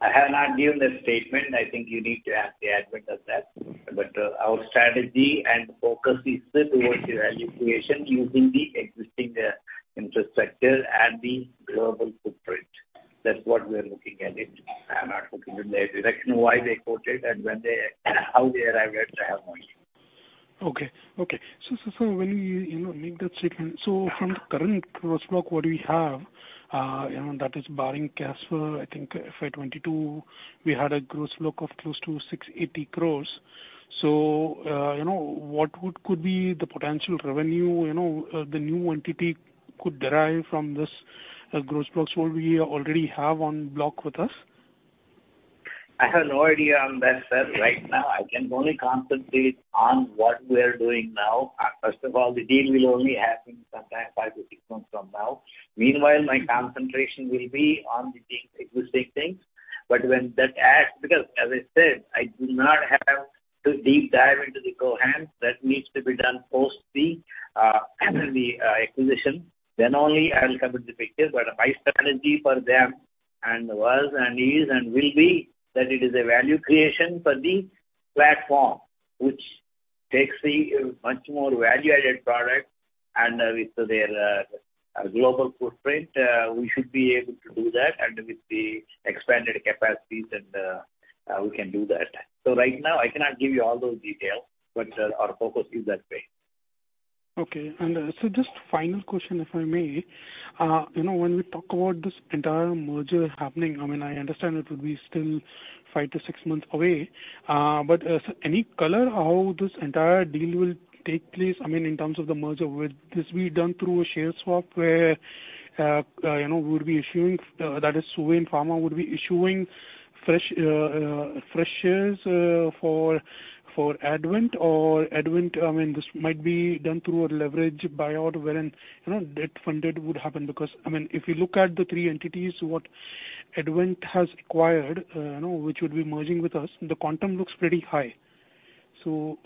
I have not given the statement. I think you need to ask the Advent of that. Our strategy and focus is still towards the value creation using the existing infrastructure and the global footprint. That's what we're looking at it. I have not looked in their direction why they quoted and when they how they arrived at. I have no idea. Okay. Okay. When you know, make that statement... From the current Gross Block, what do we have? you know, that is barring Casper, I think FY 2022, we had a Gross Block of close to 680 crores. you know, what could be the potential revenue, you know, the new entity could derive from this, Gross Blocks what we already have on block with us? I have no idea on that, sir. Right now, I can only concentrate on what we're doing now. First of all, the deal will only happen sometime five to six months from now. Meanwhile, my concentration will be on the team existing things. When that adds. As I said, I do not have to deep dive into the Cohance. That needs to be done post the acquisition. Only I'll cover the picture. My strategy for them and was, and is, and will be that it is a value creation for the platform, which takes the much more value-added product, and with their global footprint, we should be able to do that, and with the expanded capacities and we can do that. Right now I cannot give you all those details, but, our focus is that way. Okay. Just final question, if I may. you know, when we talk about this entire merger happening, I mean, I understand it will be still 5 to 6 months away, any color how this entire deal will take place? I mean, in terms of the merger, will this be done through a share swap where, you know, we'll be issuing, that is Suven Pharma would be issuing fresh shares, for Advent or Advent, I mean, this might be done through a leverage buyout wherein, you know, debt funded would happen because, I mean, if you look at the three entities, what Advent has acquired, you know, which would be merging with us, the quantum looks pretty high.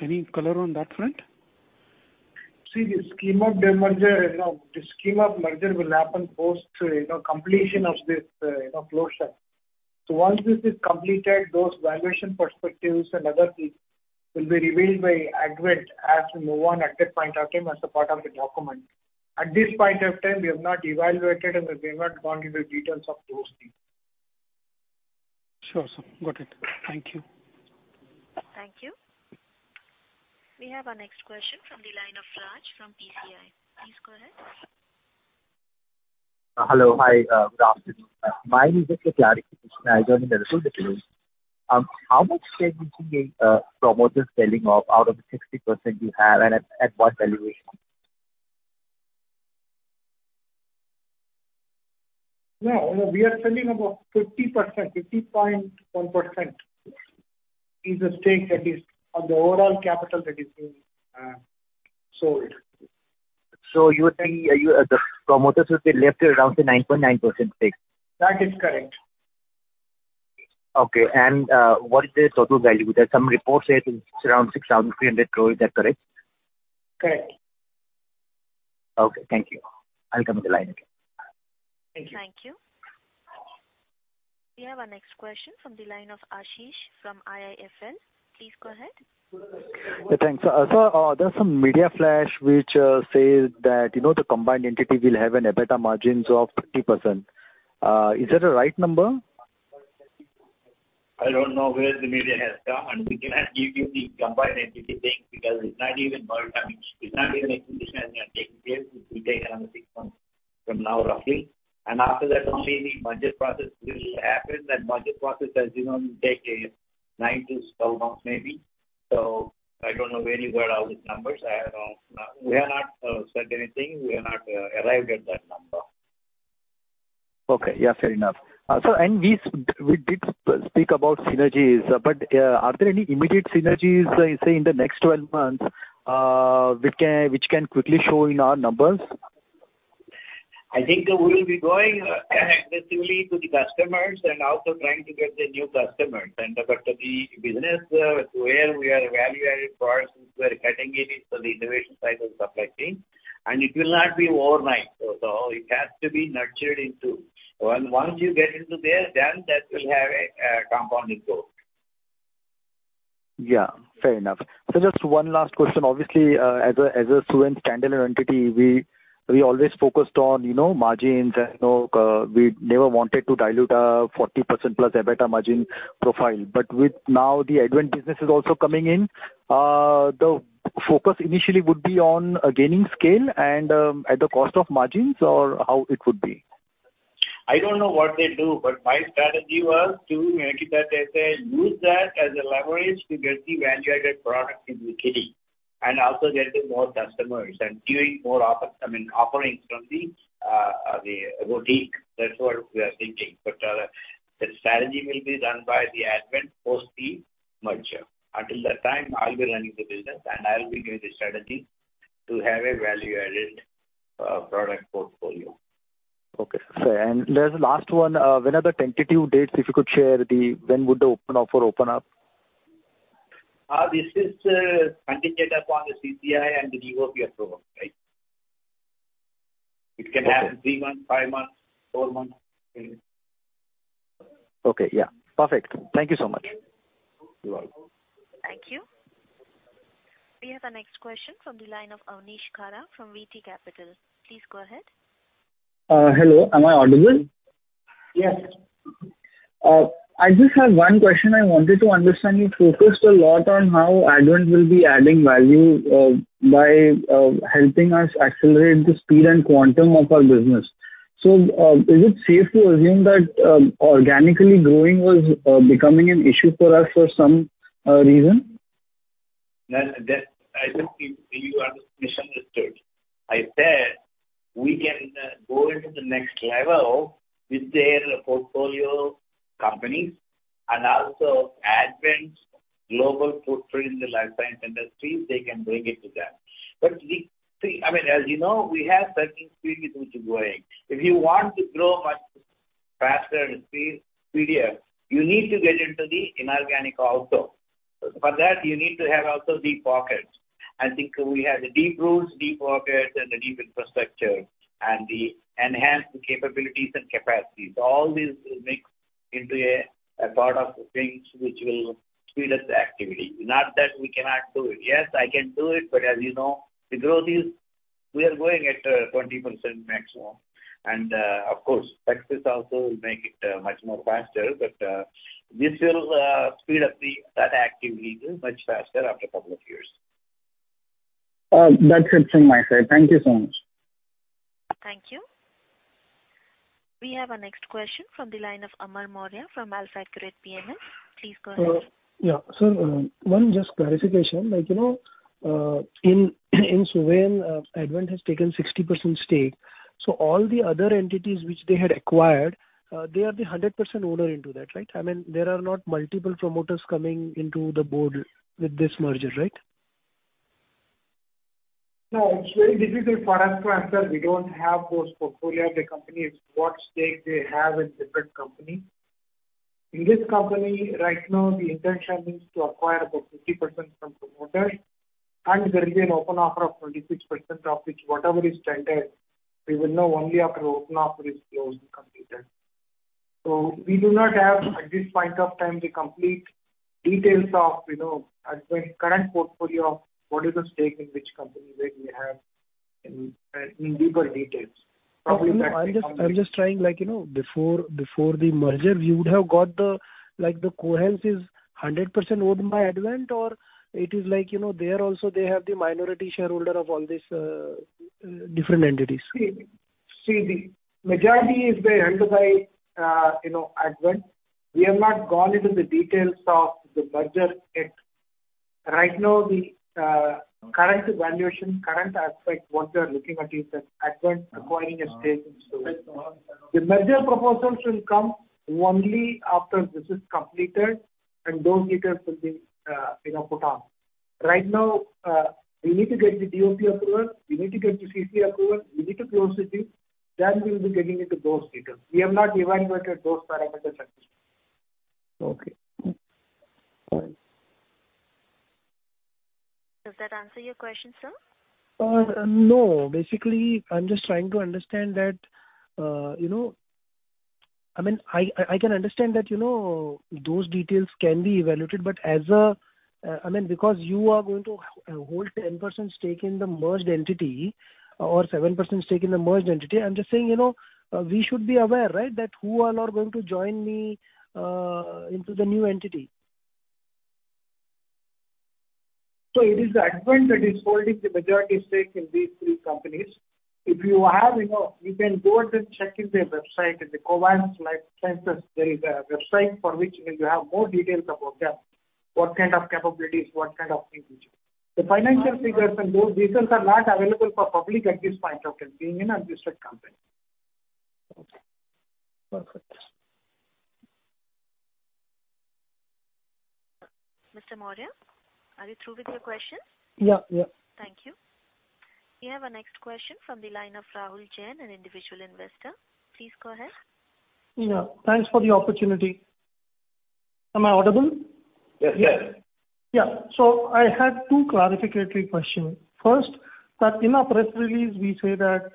Any color on that front? The scheme of demerger, you know, the scheme of merger will happen post, you know, completion of this, you know, closure. Once this is completed, those valuation perspectives and other things will be revealed by Advent as we move on at that point of time as a part of the document. At this point of time, we have not evaluated and we've not gone into the details of those things. Sure, sir. Got it. Thank you. Thank you. We have our next question from the line of Raj from PTI. Please go ahead. Hello. Hi, good afternoon. Mine is just a clarification. I joined a little bit late. How much stake would you be promoters selling off out of the 60% you have, and at what valuation? No, we are selling about 50%. 50.1% is the stake that is on the overall capital that is being sold. You're saying, the promoters will be left around the 9.9% stake? That is correct. Okay. What is the total value? There's some reports saying it is around 6,300 crore. Is that correct? Correct. Okay. Thank you. I'll come to the line again. Thank you. Thank you. We have our next question from the line of Ashish from IIFL. Please go ahead. Yeah, thanks. there's some media flash which, you know, says that the combined entity will have an EBITDA margins of 50%. Is that a right number? I don't know where the media has come. We cannot give you the combined entity thing because it's not even merged. I mean, it's not even taking place. It will take another 6 months from now, roughly. After that only the budget process will happen. That budget process, as you know, will take 9 to 12 months maybe. I don't know where you got all these numbers. We have not said anything. We have not arrived at that number. Okay. Yeah, fair enough. Sir, we did speak about synergies. Are there any immediate synergies, say in the next 12 months, which can quickly show in our numbers? I think we will be going aggressively to the customers and also trying to get the new customers and, but the business where we are value-added products, we are cutting it into the innovation side of the supply chain, and it will not be overnight. It has to be nurtured into. Once you get into there, then that will have a compounding growth. Yeah, fair enough. Just one last question. Obviously, as a Suven standalone entity, we always focused on, you know, margins and, you know, we never wanted to dilute our 40% plus EBITDA margin profile. With now the Advent business is also coming in, the focus initially would be on gaining scale and, at the cost of margins or how it would be? I don't know what they do, but my strategy was to make it that they say use that as a leverage to get the value-added product in the kitty and also getting more customers and doing more offers, I mean, offerings from the boutique. That's what we are thinking. The strategy will be done by the Advent post the merger. Until that time, I'll be running the business, and I'll be giving the strategy to have a value-added product portfolio. Okay, sir. There's the last one. When would the open offer open up? This is contingent upon the CCI and the EPA approval, right. It can happen 3 months, 5 months, 4 months. Okay. Yeah. Perfect. Thank you so much. You're welcome. Thank you. We have our next question from the line of Avnish Khara from VT Capital. Please go ahead. Hello, am I audible? Yes. I just had one question I wanted to understand. You focused a lot on how Advent will be adding value, by, helping us accelerate the speed and quantum of our business. Is it safe to assume that, organically growing was, becoming an issue for us for some, reason? I think you have misunderstood. I said we can go into the next level with their portfolio companies and also Advent's global footprint in the life science industry, they can bring it to that. See, I mean, as you know, we have certain speed with which we're growing. If you want to grow much faster and speedier, you need to get into the inorganic also. For that, you need to have also deep pockets. I think we have the deep roots, deep pockets and the deep infrastructure and the enhanced capabilities and capacities. All this will mix into a part of things which will speed up the activity. Not that we cannot do it. Yes, I can do it, but as you know, to grow this, we are growing at 20% maximum. Of course, success also will make it much more faster. This will speed up that activity much faster after a couple of years. That's it from my side. Thank you so much. Thank you. We have our next question from the line of Amar Maurya from AlfAccurate PMS. Please go ahead. Yeah. One just clarification. Like, you know, in Suven, Advent has taken 60% stake. All the other entities which they had acquired, they are the 100% owner into that, right? I mean, there are not multiple promoters coming into the board with this merger, right? No, it's very difficult for us to answer. We don't have those portfolio. The company is what stake they have in different company. In this company right now, the intention is to acquire about 50% from promoters, and there will be an open offer of 26% of which whatever is tendered, we will know only after open offer is closed and completed. We do not have, at this point of time, the complete details of, you know, Advent current portfolio, what is the stake in which company where we have in deeper details. Probably. I'm just trying, like, you know, before the merger, we would have got the, like, the Cohance is 100% owned by Advent or it is like, you know, there also they have the minority shareholder of all these different entities? See, the majority is being handled by, you know, Advent. We have not gone into the details of the merger yet. The current valuation, current aspect, what we are looking at is that Advent acquiring a stake in Suven. The merger proposals will come only after this is completed and those details will be, you know, put on. We need to get the DoP approval, we need to get the CCI approval, we need to close the deal, then we'll be getting into those details. We have not evaluated those parameters as yet. Okay. Fine. Does that answer your question, sir? no. Basically, I'm just trying to understand that, you know... I mean, I can understand that, you know, those details can be evaluated, but as a... I mean, because you are going to hold 10% stake in the merged entity or 7% stake in the merged entity, I'm just saying, you know, we should be aware, right? That who all are going to join me into the new entity? It is Advent that is holding the majority stake in these three companies. If you have, you know, you can go and just check in their website, in the Cohance Lifesciences, there is a website from which you will have more details about them, what kind of capabilities, what kind of things. The financial figures and those details are not available for public at this point of time, being an unlisted company. Okay. Perfect. Mr. Maurya, are you through with your questions? Yeah, yeah. Thank you. We have our next question from the line of Rahul Jain, an individual investor. Please go ahead. Yeah, thanks for the opportunity. Am I audible? Yes. Yeah. I have 2 clarificatory questions. First, that in our press release, we say that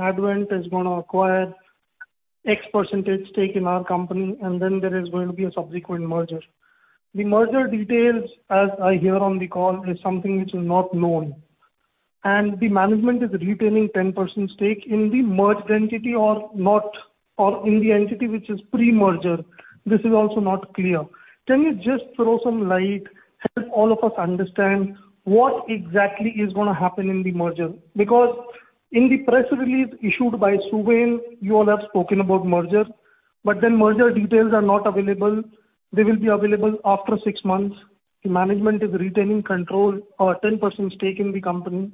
Advent is gonna acquire X% stake in our company and then there is going to be a subsequent merger. The merger details, as I hear on the call, is something which is not known. The management is retaining 10% stake in the merged entity or not, or in the entity which is pre-merger. This is also not clear. Can you just throw some light, help all of us understand what exactly is gonna happen in the merger? Because in the press release issued by Suven, you all have spoken about merger, but then merger details are not available. They will be available after 6 months. The management is retaining control or 10% stake in the company,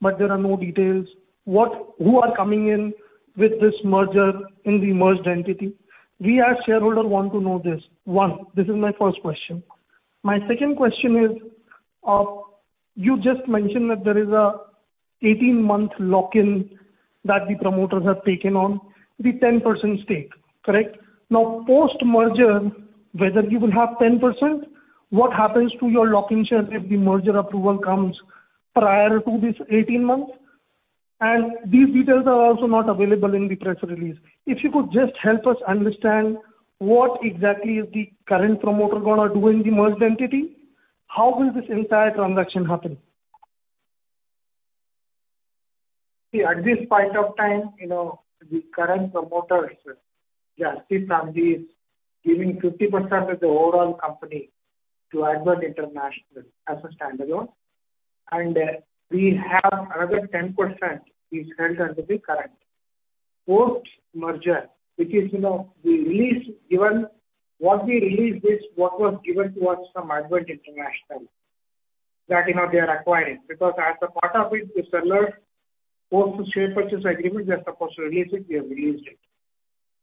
there are no details. Who are coming in with this merger in the merged entity? We as shareholders want to know this. One, this is my first question. My second question is, you just mentioned that there is a 18-month lock-in that the promoters have taken on the 10% stake, correct? Now, post-merger, whether you will have 10%, what happens to your lock-in shares if the merger approval comes prior to this 18 months? These details are also not available in the press release. If you could just help us understand what exactly is the current promoter gonna do in the merged entity, how will this entire transaction happen? At this point of time, you know, the current promoters, Jasti family is giving 50% of the overall company to Advent International as a standalone. We have another 10% is held under the current. Post-merger, which is, you know, the release given, what we released is what was given to us from Advent International, that, you know, they are acquiring. As a part of it, the seller forced the share purchase agreement. They are supposed to release it, we have released it.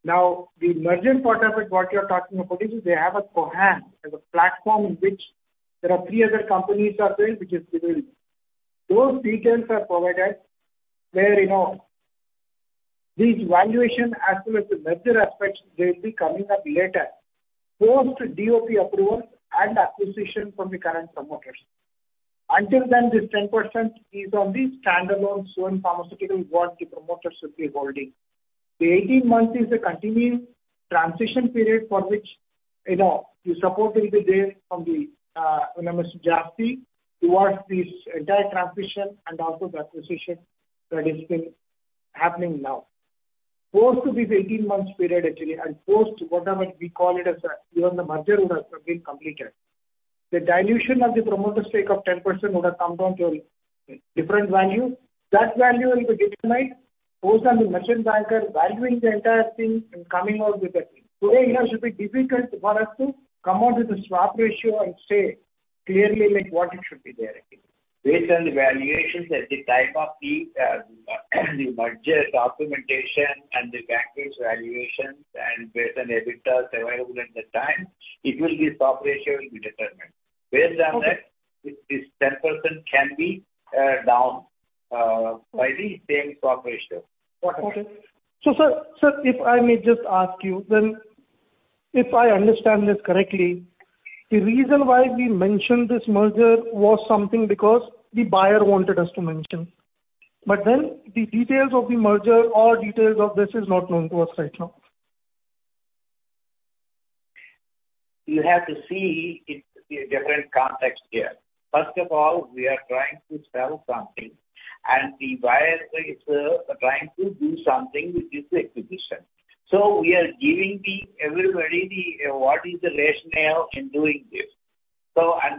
The merging part of it, what you are talking about is they have a Cohance as a platform in which there are 3 other companies are there which is giving. Those details are provided where, you know, these valuation as well as the merger aspects, they'll be coming up later, post DoP approval and acquisition from the current promoters. Until then, this 10% is on the standalone Suven Pharmaceuticals what the promoters will be holding. The 18 months is a continuing transition period for which, you know, the support will be there from Mr. Jasti towards this entire transition and also the acquisition that is being happening now. Post to this 18 months period actually, and post whatever we call it as Even the merger would have been completed. The dilution of the promoter stake of 10% would have come down to a different value. That value will be determined. Those are the merchant banker valuing the entire thing and coming out with it. Today, you know, it should be difficult for us to come out with a swap ratio and say clearly, like, what it should be there actually. Based on the valuations at the time of the merger documentation and the bankers valuations and based on EBITDAs available at that time, swap ratio will be determined. Okay. Based on that, this 10% can be down by the same swap ratio. Okay. sir, if I may just ask you then, if I understand this correctly, the reason why we mentioned this merger was something because the buyer wanted us to mention. The details of the merger or details of this is not known to us right now. You have to see it in a different context here. First of all, we are trying to sell something, and the buyer is trying to do something with this acquisition. We are giving everybody the what is the rationale in doing this.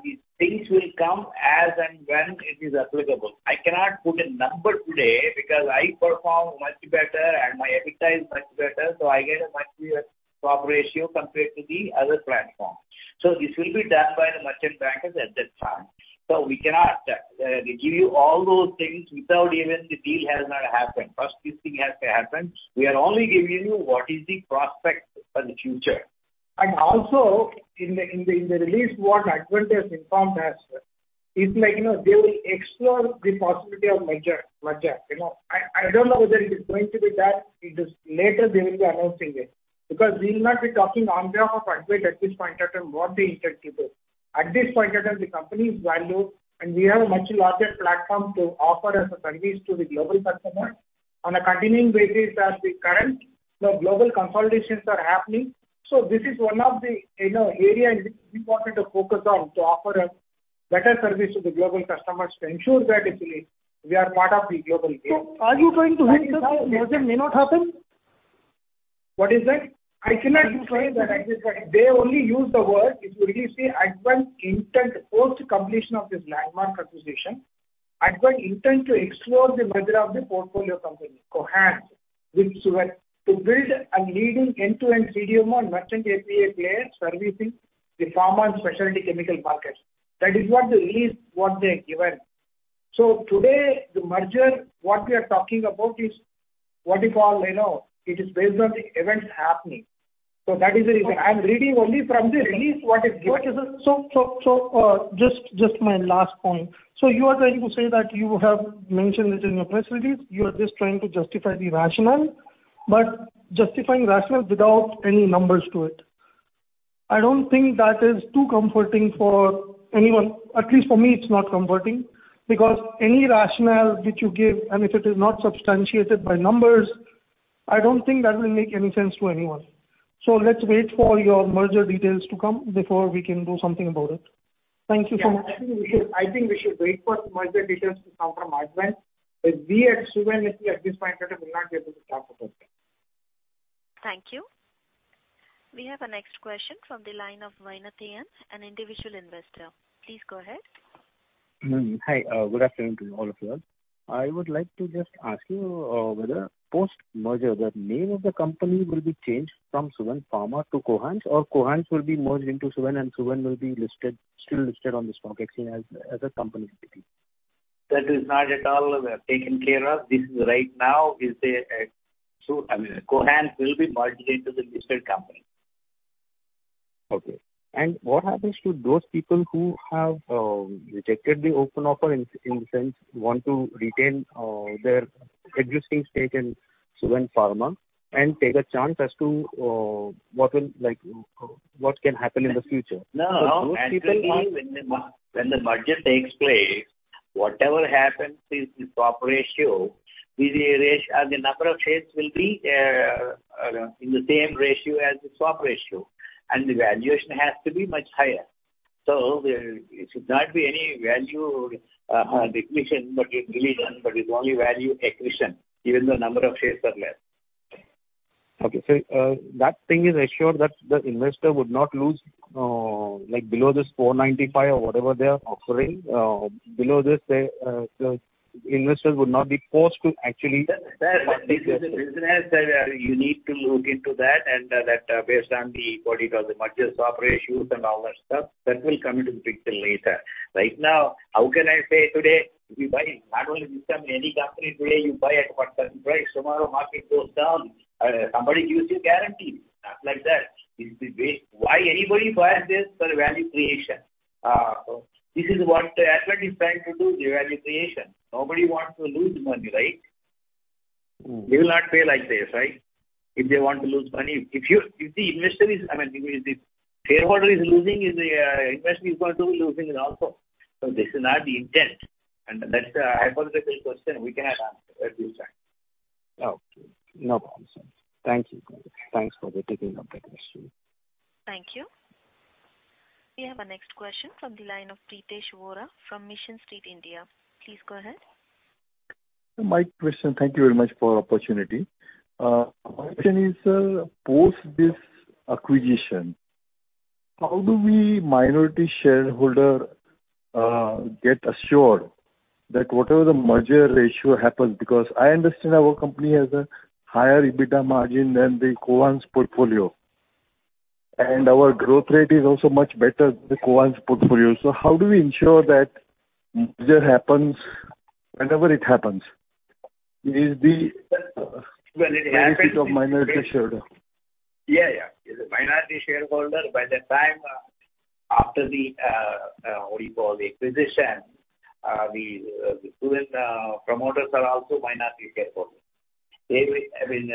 These things will come as and when it is applicable. I cannot put a number today because I perform much better and my EBITDA is much better, so I get a much better swap ratio compared to the other platform. This will be done by the merchant bankers at that time. We cannot give you all those things without even the deal has not happened. First this thing has to happen. We are only giving you what is the prospect for the future. Also in the release, what Advent has informed us is like, you know, they will explore the possibility of merger. You know, I don't know whether it is going to be that. It is later they will be announcing it. We will not be talking on behalf of Advent at this point in time what they intend to do. At this point in time, the company's value, and we have a much larger platform to offer as a service to the global customer on a continuing basis as the current, you know, global consolidations are happening. This is one of the, you know, area in which we wanted to focus on to offer a better service to the global customers to ensure that actually we are part of the global game. Are you trying to hint that the merger may not happen? What is that? I cannot say that at this point. They only use the word, if you really see Advent intent post completion of this landmark acquisition, Advent intend to explore the merger of the portfolio company, Cohance, with Suven, to build a leading end-to-end CDMO and merchant API player servicing the pharma and specialty chemical markets. That is what the release, what they have given. Today, the merger, what we are talking about is what if all, you know, it is based on the events happening. That is the reason. I'm reading only from the release what is given. Okay. Just my last point. You are trying to say that you have mentioned it in your press release. You are just trying to justify the rationale. Justifying rationale without any numbers to it, I don't think that is too comforting for anyone. At least for me, it's not comforting. Any rationale which you give, and if it is not substantiated by numbers, I don't think that will make any sense to anyone. Let's wait for your merger details to come before we can do something about it. Thank you so much. Yeah. I think we should wait for the merger details to come from Advent. We at Suven, at this point in time, will not be able to talk about that. Thank you. We have our next question from the line of Vainatheyan, an individual investor. Please go ahead. Hi. Good afternoon to all of you all. I would like to just ask you, whether post-merger, the name of the company will be changed from Suven Pharma to Cohance, or Cohance will be merged into Suven and Suven will be listed, still listed on the stock exchange as a company maybe. That is not at all taken care of. This is right now is I mean, Cohance will be merged into the listed company. Okay. What happens to those people who have rejected the open offer in the sense want to retain their existing stake in Suven Pharma and take a chance as to what will, like, what can happen in the future? No, no. Those people want- When the merger takes place, whatever happens is the swap ratio. The number of shares will be in the same ratio as the swap ratio, and the valuation has to be much higher. There should not be any value depletion, but it will be done, but it's only value accretion, even though number of shares are less. Okay. That thing is assured that the investor would not lose, like below this 495 or whatever they are offering, below this, the investors would not be forced to. That is a business that you need to look into that and based on the, what you call, the merger swap ratios and all that stuff, that will come into the picture later. Right now, how can I say today if you buy not only this company, any company today you buy at what certain price, tomorrow market goes down. Somebody gives you guarantee. It's not like that. It's the way. Why anybody buys this? For value creation. This is what Advent is trying to do, the value creation. Nobody wants to lose money, right? Mm. They will not pay like this, right? If they want to lose money... If you, if the investor is, I mean, if the shareholder is losing, the investor is going to be losing also. This is not the intent, and that's a hypothetical question we cannot answer at this time. Okay. No problem, sir. Thank you. Thanks for taking up the question. Thank you. We have our next question from the line of Pritesh Vora from Mission Street India. Please go ahead. My question. Thank you very much for opportunity. My question is, post this acquisition, how do we minority shareholder get assured that whatever the merger ratio happens, because I understand our company has a higher EBITDA margin than the Cohance portfolio, and our growth rate is also much better than the Cohance portfolio. How do we ensure that merger happens whenever it happens? When it happens. Benefit of minority shareholder? Yeah, yeah. As a minority shareholder, by the time, after the, what do you call, the acquisition, the Suven promoters are also minority shareholders. They will, I mean,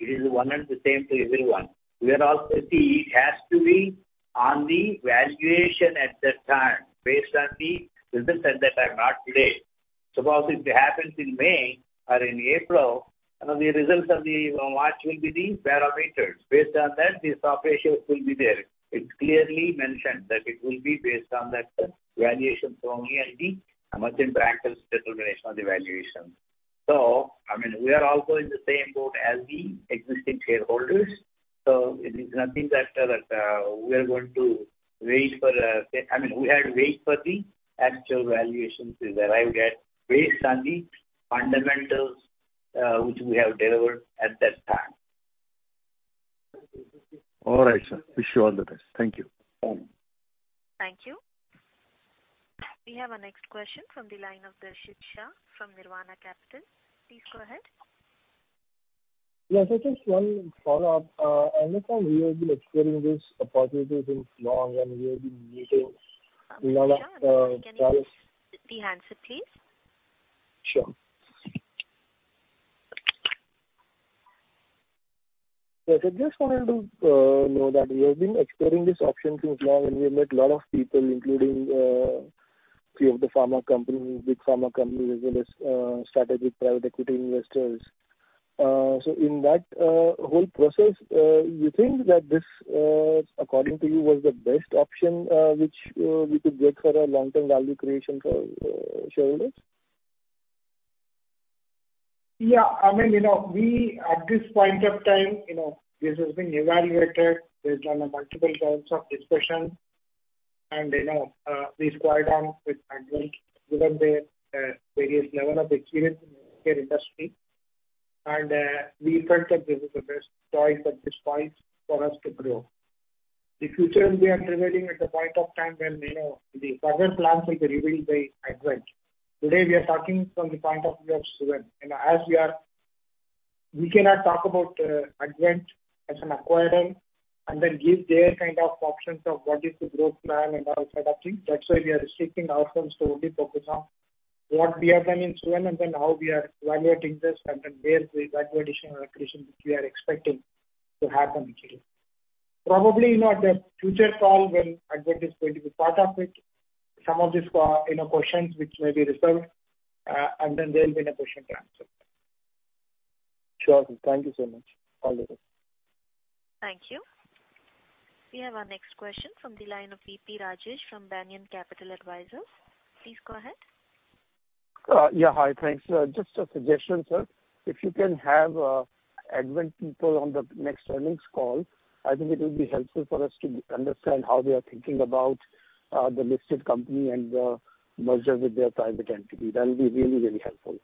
it is one and the same to everyone. We are all... See, it has to be on the valuation at that time based on the results at that time, not today. Suppose if it happens in May or in April, you know, the results of the March will be the parameters. Based on that, the swap ratios will be there. It's clearly mentioned that it will be based on that valuation from E&P, a merchant bank's determination of the valuation. I mean, we are also in the same boat as the existing shareholders. It is nothing that, we are going to wait for, I mean, we have to wait for the actual valuations to be arrived at based on the fundamentals, which we have delivered at that time. All right, sir. Wish you all the best. Thank you. Thank you. Thank you. We have our next question from the line of Darshit Shah from Nirvana Capital. Please go ahead. Yes, I just one follow-up. I know, sir, we have been exploring this opportunity since long and we have been meeting lot of players. Mr. Shah, sorry, can you please de-handset, please? Sure. Yes, I just wanted to know that we have been exploring this option since long and we have met lot of people, including few of the pharma companies, big pharma companies, as well as strategic private equity investors. In that whole process, you think that this, according to you, was the best option, which we could get for a long-term value creation for shareholders? Yeah. I mean, you know, we at this point of time, you know, this has been evaluated based on a multiple rounds of discussions and, you know, we squared off with Advent given their various level of experience in the healthcare industry. We felt that this is the best choice at this point for us to grow. The future will be unveiling at the point of time when, you know, the further plans will be revealed by Advent. Today, we are talking from the point of view of Suven. You know, We cannot talk about Advent as an acquirer and then give their kind of options of what is the growth plan and all sort of things. That's why we are restricting ourselves to only focus on what we have done in Suven and then how we are evaluating this and then where the value addition or accretion which we are expecting to happen actually. Probably, you know, at a future call when Advent is going to be part of it, some of these you know, questions which may be resolved, and then there'll be in a position to answer. Sure. Thank you so much. All the best. Thank you. We have our next question from the line of V.P. Rajesh from Banyan Capital Advisors. Please go ahead. Yeah. Hi. Thanks. Just a suggestion, sir. If you can have Advent people on the next earnings call, I think it will be helpful for us to understand how they are thinking about the listed company and the merger with their private entity. That'll be really, really helpful.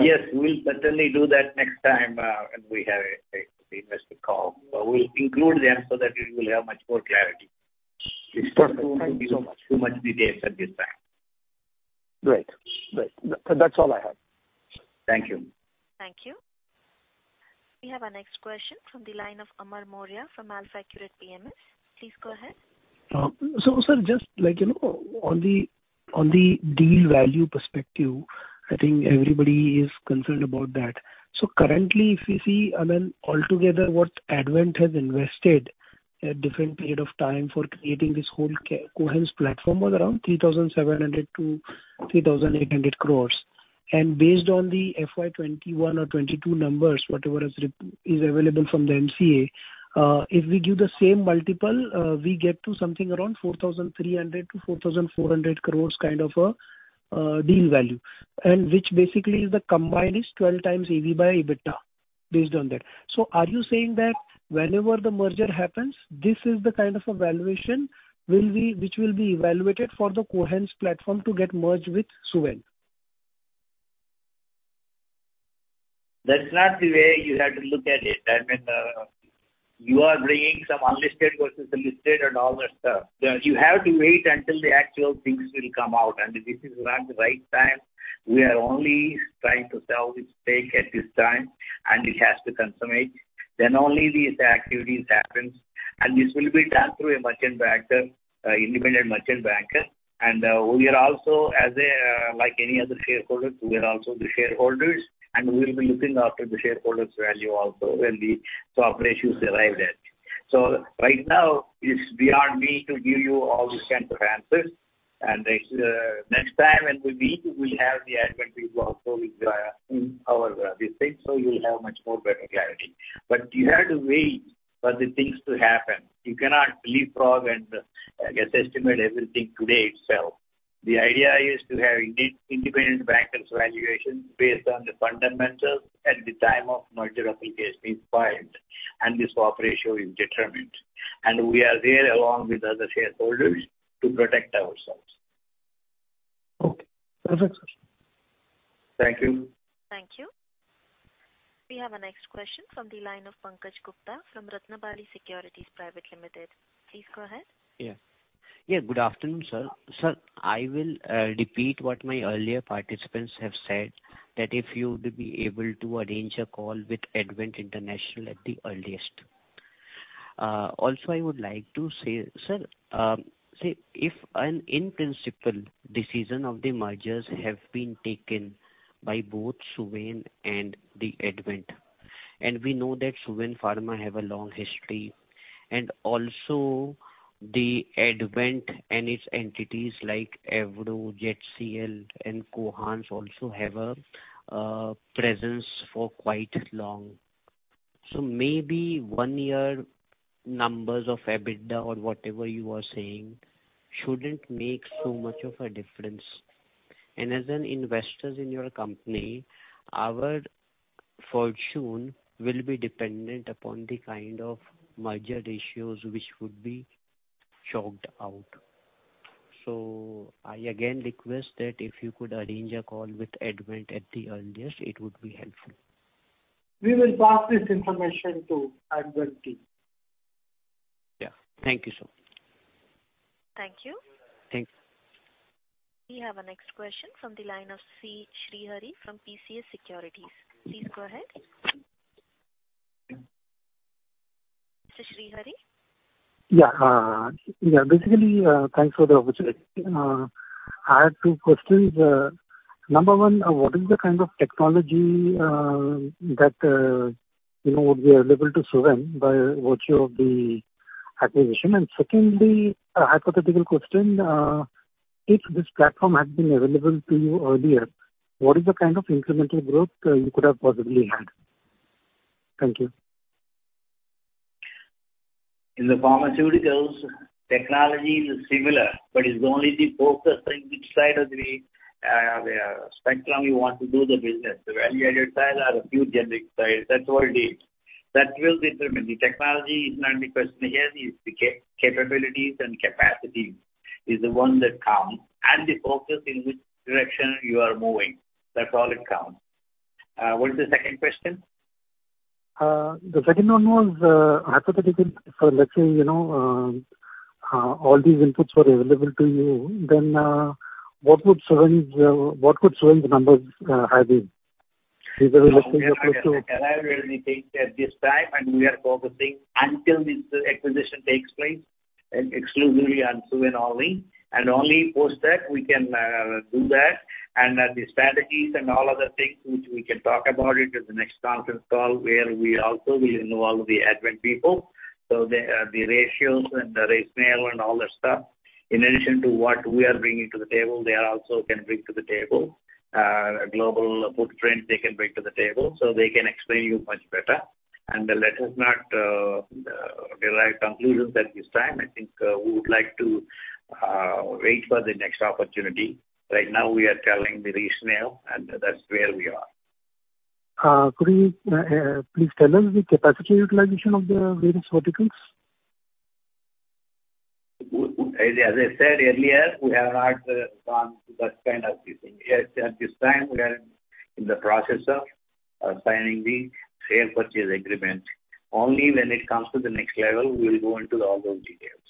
Yes, we'll certainly do that next time, when we have the investor call. We'll include them so that you will have much more clarity. Perfect. Thank you so much. It's going to be too much details at this time. Great. Great. That's all I have. Thank you. Thank you. We have our next question from the line of Amar Maurya from AlfAccurate PMS. Please go ahead. Sir, just like, you know, on the deal value perspective, I think everybody is concerned about that. Currently, if we see, I mean, altogether, what Advent has invested at different period of time for creating this whole Cohance platform was around 3,700 crore-3,800 crore. Based on the FY 21 or 22 numbers, whatever is available from the NCA, if we do the same multiple, we get to something around 4,300 crore-4,400 crore kind of a deal value, and which basically is the combined is 12x EV/EBITDA based on that. Are you saying that whenever the merger happens, this is the kind of a valuation will be, which will be evaluated for the Cohance platform to get merged with Suven? That's not the way you have to look at it. I mean, you are bringing some unlisted versus the listed and all that stuff. You have to wait until the actual things will come out. This is not the right time. We are only trying to sell its stake at this time, and it has to consummate. Only these activities happens. This will be done through a merchant banker, independent merchant banker. We are also as a, like any other shareholders, we are also the shareholders, and we'll be looking after the shareholders value also when the swap ratio is arrived at. Right now it's beyond me to give you all these kinds of answers. Next, next time when we meet, we'll have the Advent people also with in our this thing, so you'll have much more better clarity. You have to wait for the things to happen. You cannot leapfrog and guess, estimate everything today itself. The idea is to have independent bankers valuation based on the fundamentals at the time of merger application is filed and the swap ratio is determined. We are there along with other shareholders to protect ourselves. Okay. Perfect, sir. Thank you. Thank you. We have our next question from the line of Pankaj Gupta from Ratnabali Securities Private Limited. Please go ahead. Yeah. Yeah, good afternoon, sir. Sir, I will repeat what my earlier participants have said, that if you would be able to arrange a call with Advent International at the earliest. Also I would like to say, sir, say if an in-principle decision of the mergers have been taken by both Suven and Advent, and we know that Suven Pharma have a long history, and also Advent and its entities like Avra, ZCL and Cohance also have a presence for quite long. Maybe one year numbers of EBITDA or whatever you are saying shouldn't make so much of a difference. As an investors in your company, our fortune will be dependent upon the kind of merger ratios which would be chalked out. I again request that if you could arrange a call with Advent at the earliest, it would be helpful. We will pass this information to Advent team. Yeah. Thank you, sir. Thank you. Thanks. We have our next question from the line of C. Srihari from PCS Securities. Please go ahead. Mr. Srihari? Yeah, basically, thanks for the opportunity. I have two questions. Number one, what is the kind of technology that, you know, would be available to Suven by virtue of the acquisition? Secondly, a hypothetical question, if this platform had been available to you earlier, what is the kind of incremental growth you could have possibly had? Thank you. In the pharmaceuticals, technology is similar, but it's only the focus in which side of the spectrum you want to do the business. The value-added side or the pure generic side. That's all it is. That will determine. The technology is not the question here. It's the capabilities and capacities is the one that counts, and the focus in which direction you are moving. That's all it counts. What's the second question? The second one was hypothetical. Let's say, you know, all these inputs were available to you, what would Suven's, what could Suven's numbers have been? We are not gonna make a commentary on anything at this time. We are focusing until this acquisition takes place exclusively on Suven only. Only post that we can do that. The strategies and all other things which we can talk about it at the next conference call where we also will involve the Advent people. The ratios and the rationale and all that stuff. In addition to what we are bringing to the table, they are also can bring to the table. Global footprint they can bring to the table, so they can explain you much better. Let us not derive conclusions at this time. I think we would like to wait for the next opportunity. Right now we are telling the rationale, and that's where we are. Could you please tell us the capacity utilization of the various verticals? As I said earlier, we have not gone to that kind of detail. At this time, we are in the process of signing the share purchase agreement. Only when it comes to the next level we will go into all those details.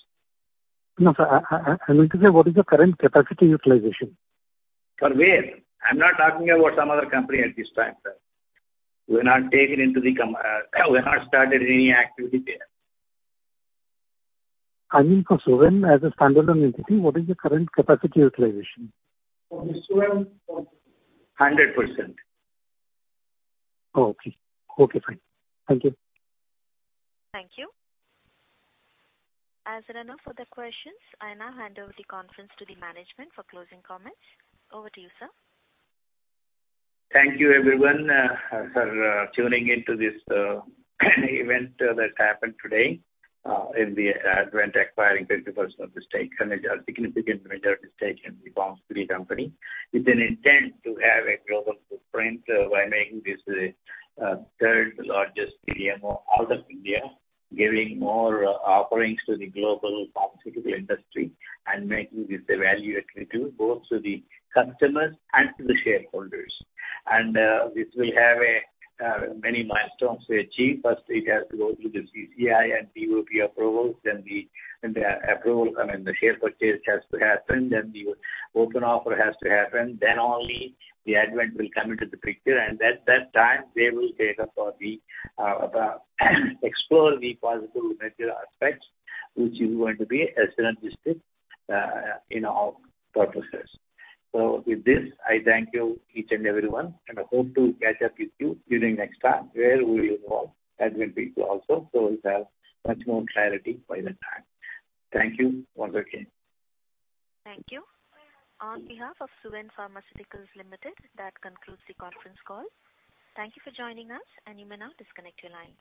No, sir. I meant to say what is the current capacity utilization? For where? I'm not talking about some other company at this time, sir. We've not started any activity there. I mean, for Suven as a standalone entity, what is the current capacity utilization? For the Suven, 100%. Oh, okay. Okay, fine. Thank you. Thank you. As there are no further questions, I now hand over the conference to the management for closing comments. Over to you, sir. Thank you everyone, for tuning into this event that happened today. In the Advent acquiring 50% of the stake and a significant majority stake in the pharmaceutical company with an intent to have a global footprint by making this third largest CDMO out of India, giving more offerings to the global pharmaceutical industry and making this a value additive both to the customers and to the shareholders. This will have many milestones to achieve. First it has to go through the CCI and the European approvals. Then the approval, I mean, the share purchase has to happen, then the open offer has to happen, then only the Advent will come into the picture. At that time they will data for the explore the possible merger aspects which is going to be synergistic in our processes. With this, I thank you each and everyone, and I hope to catch up with you during next time where we involve Advent people also, so we'll have much more clarity by that time. Thank you once again. Thank you. On behalf of Suven Pharmaceuticals Limited, that concludes the conference call. Thank you for joining us and you may now disconnect your lines.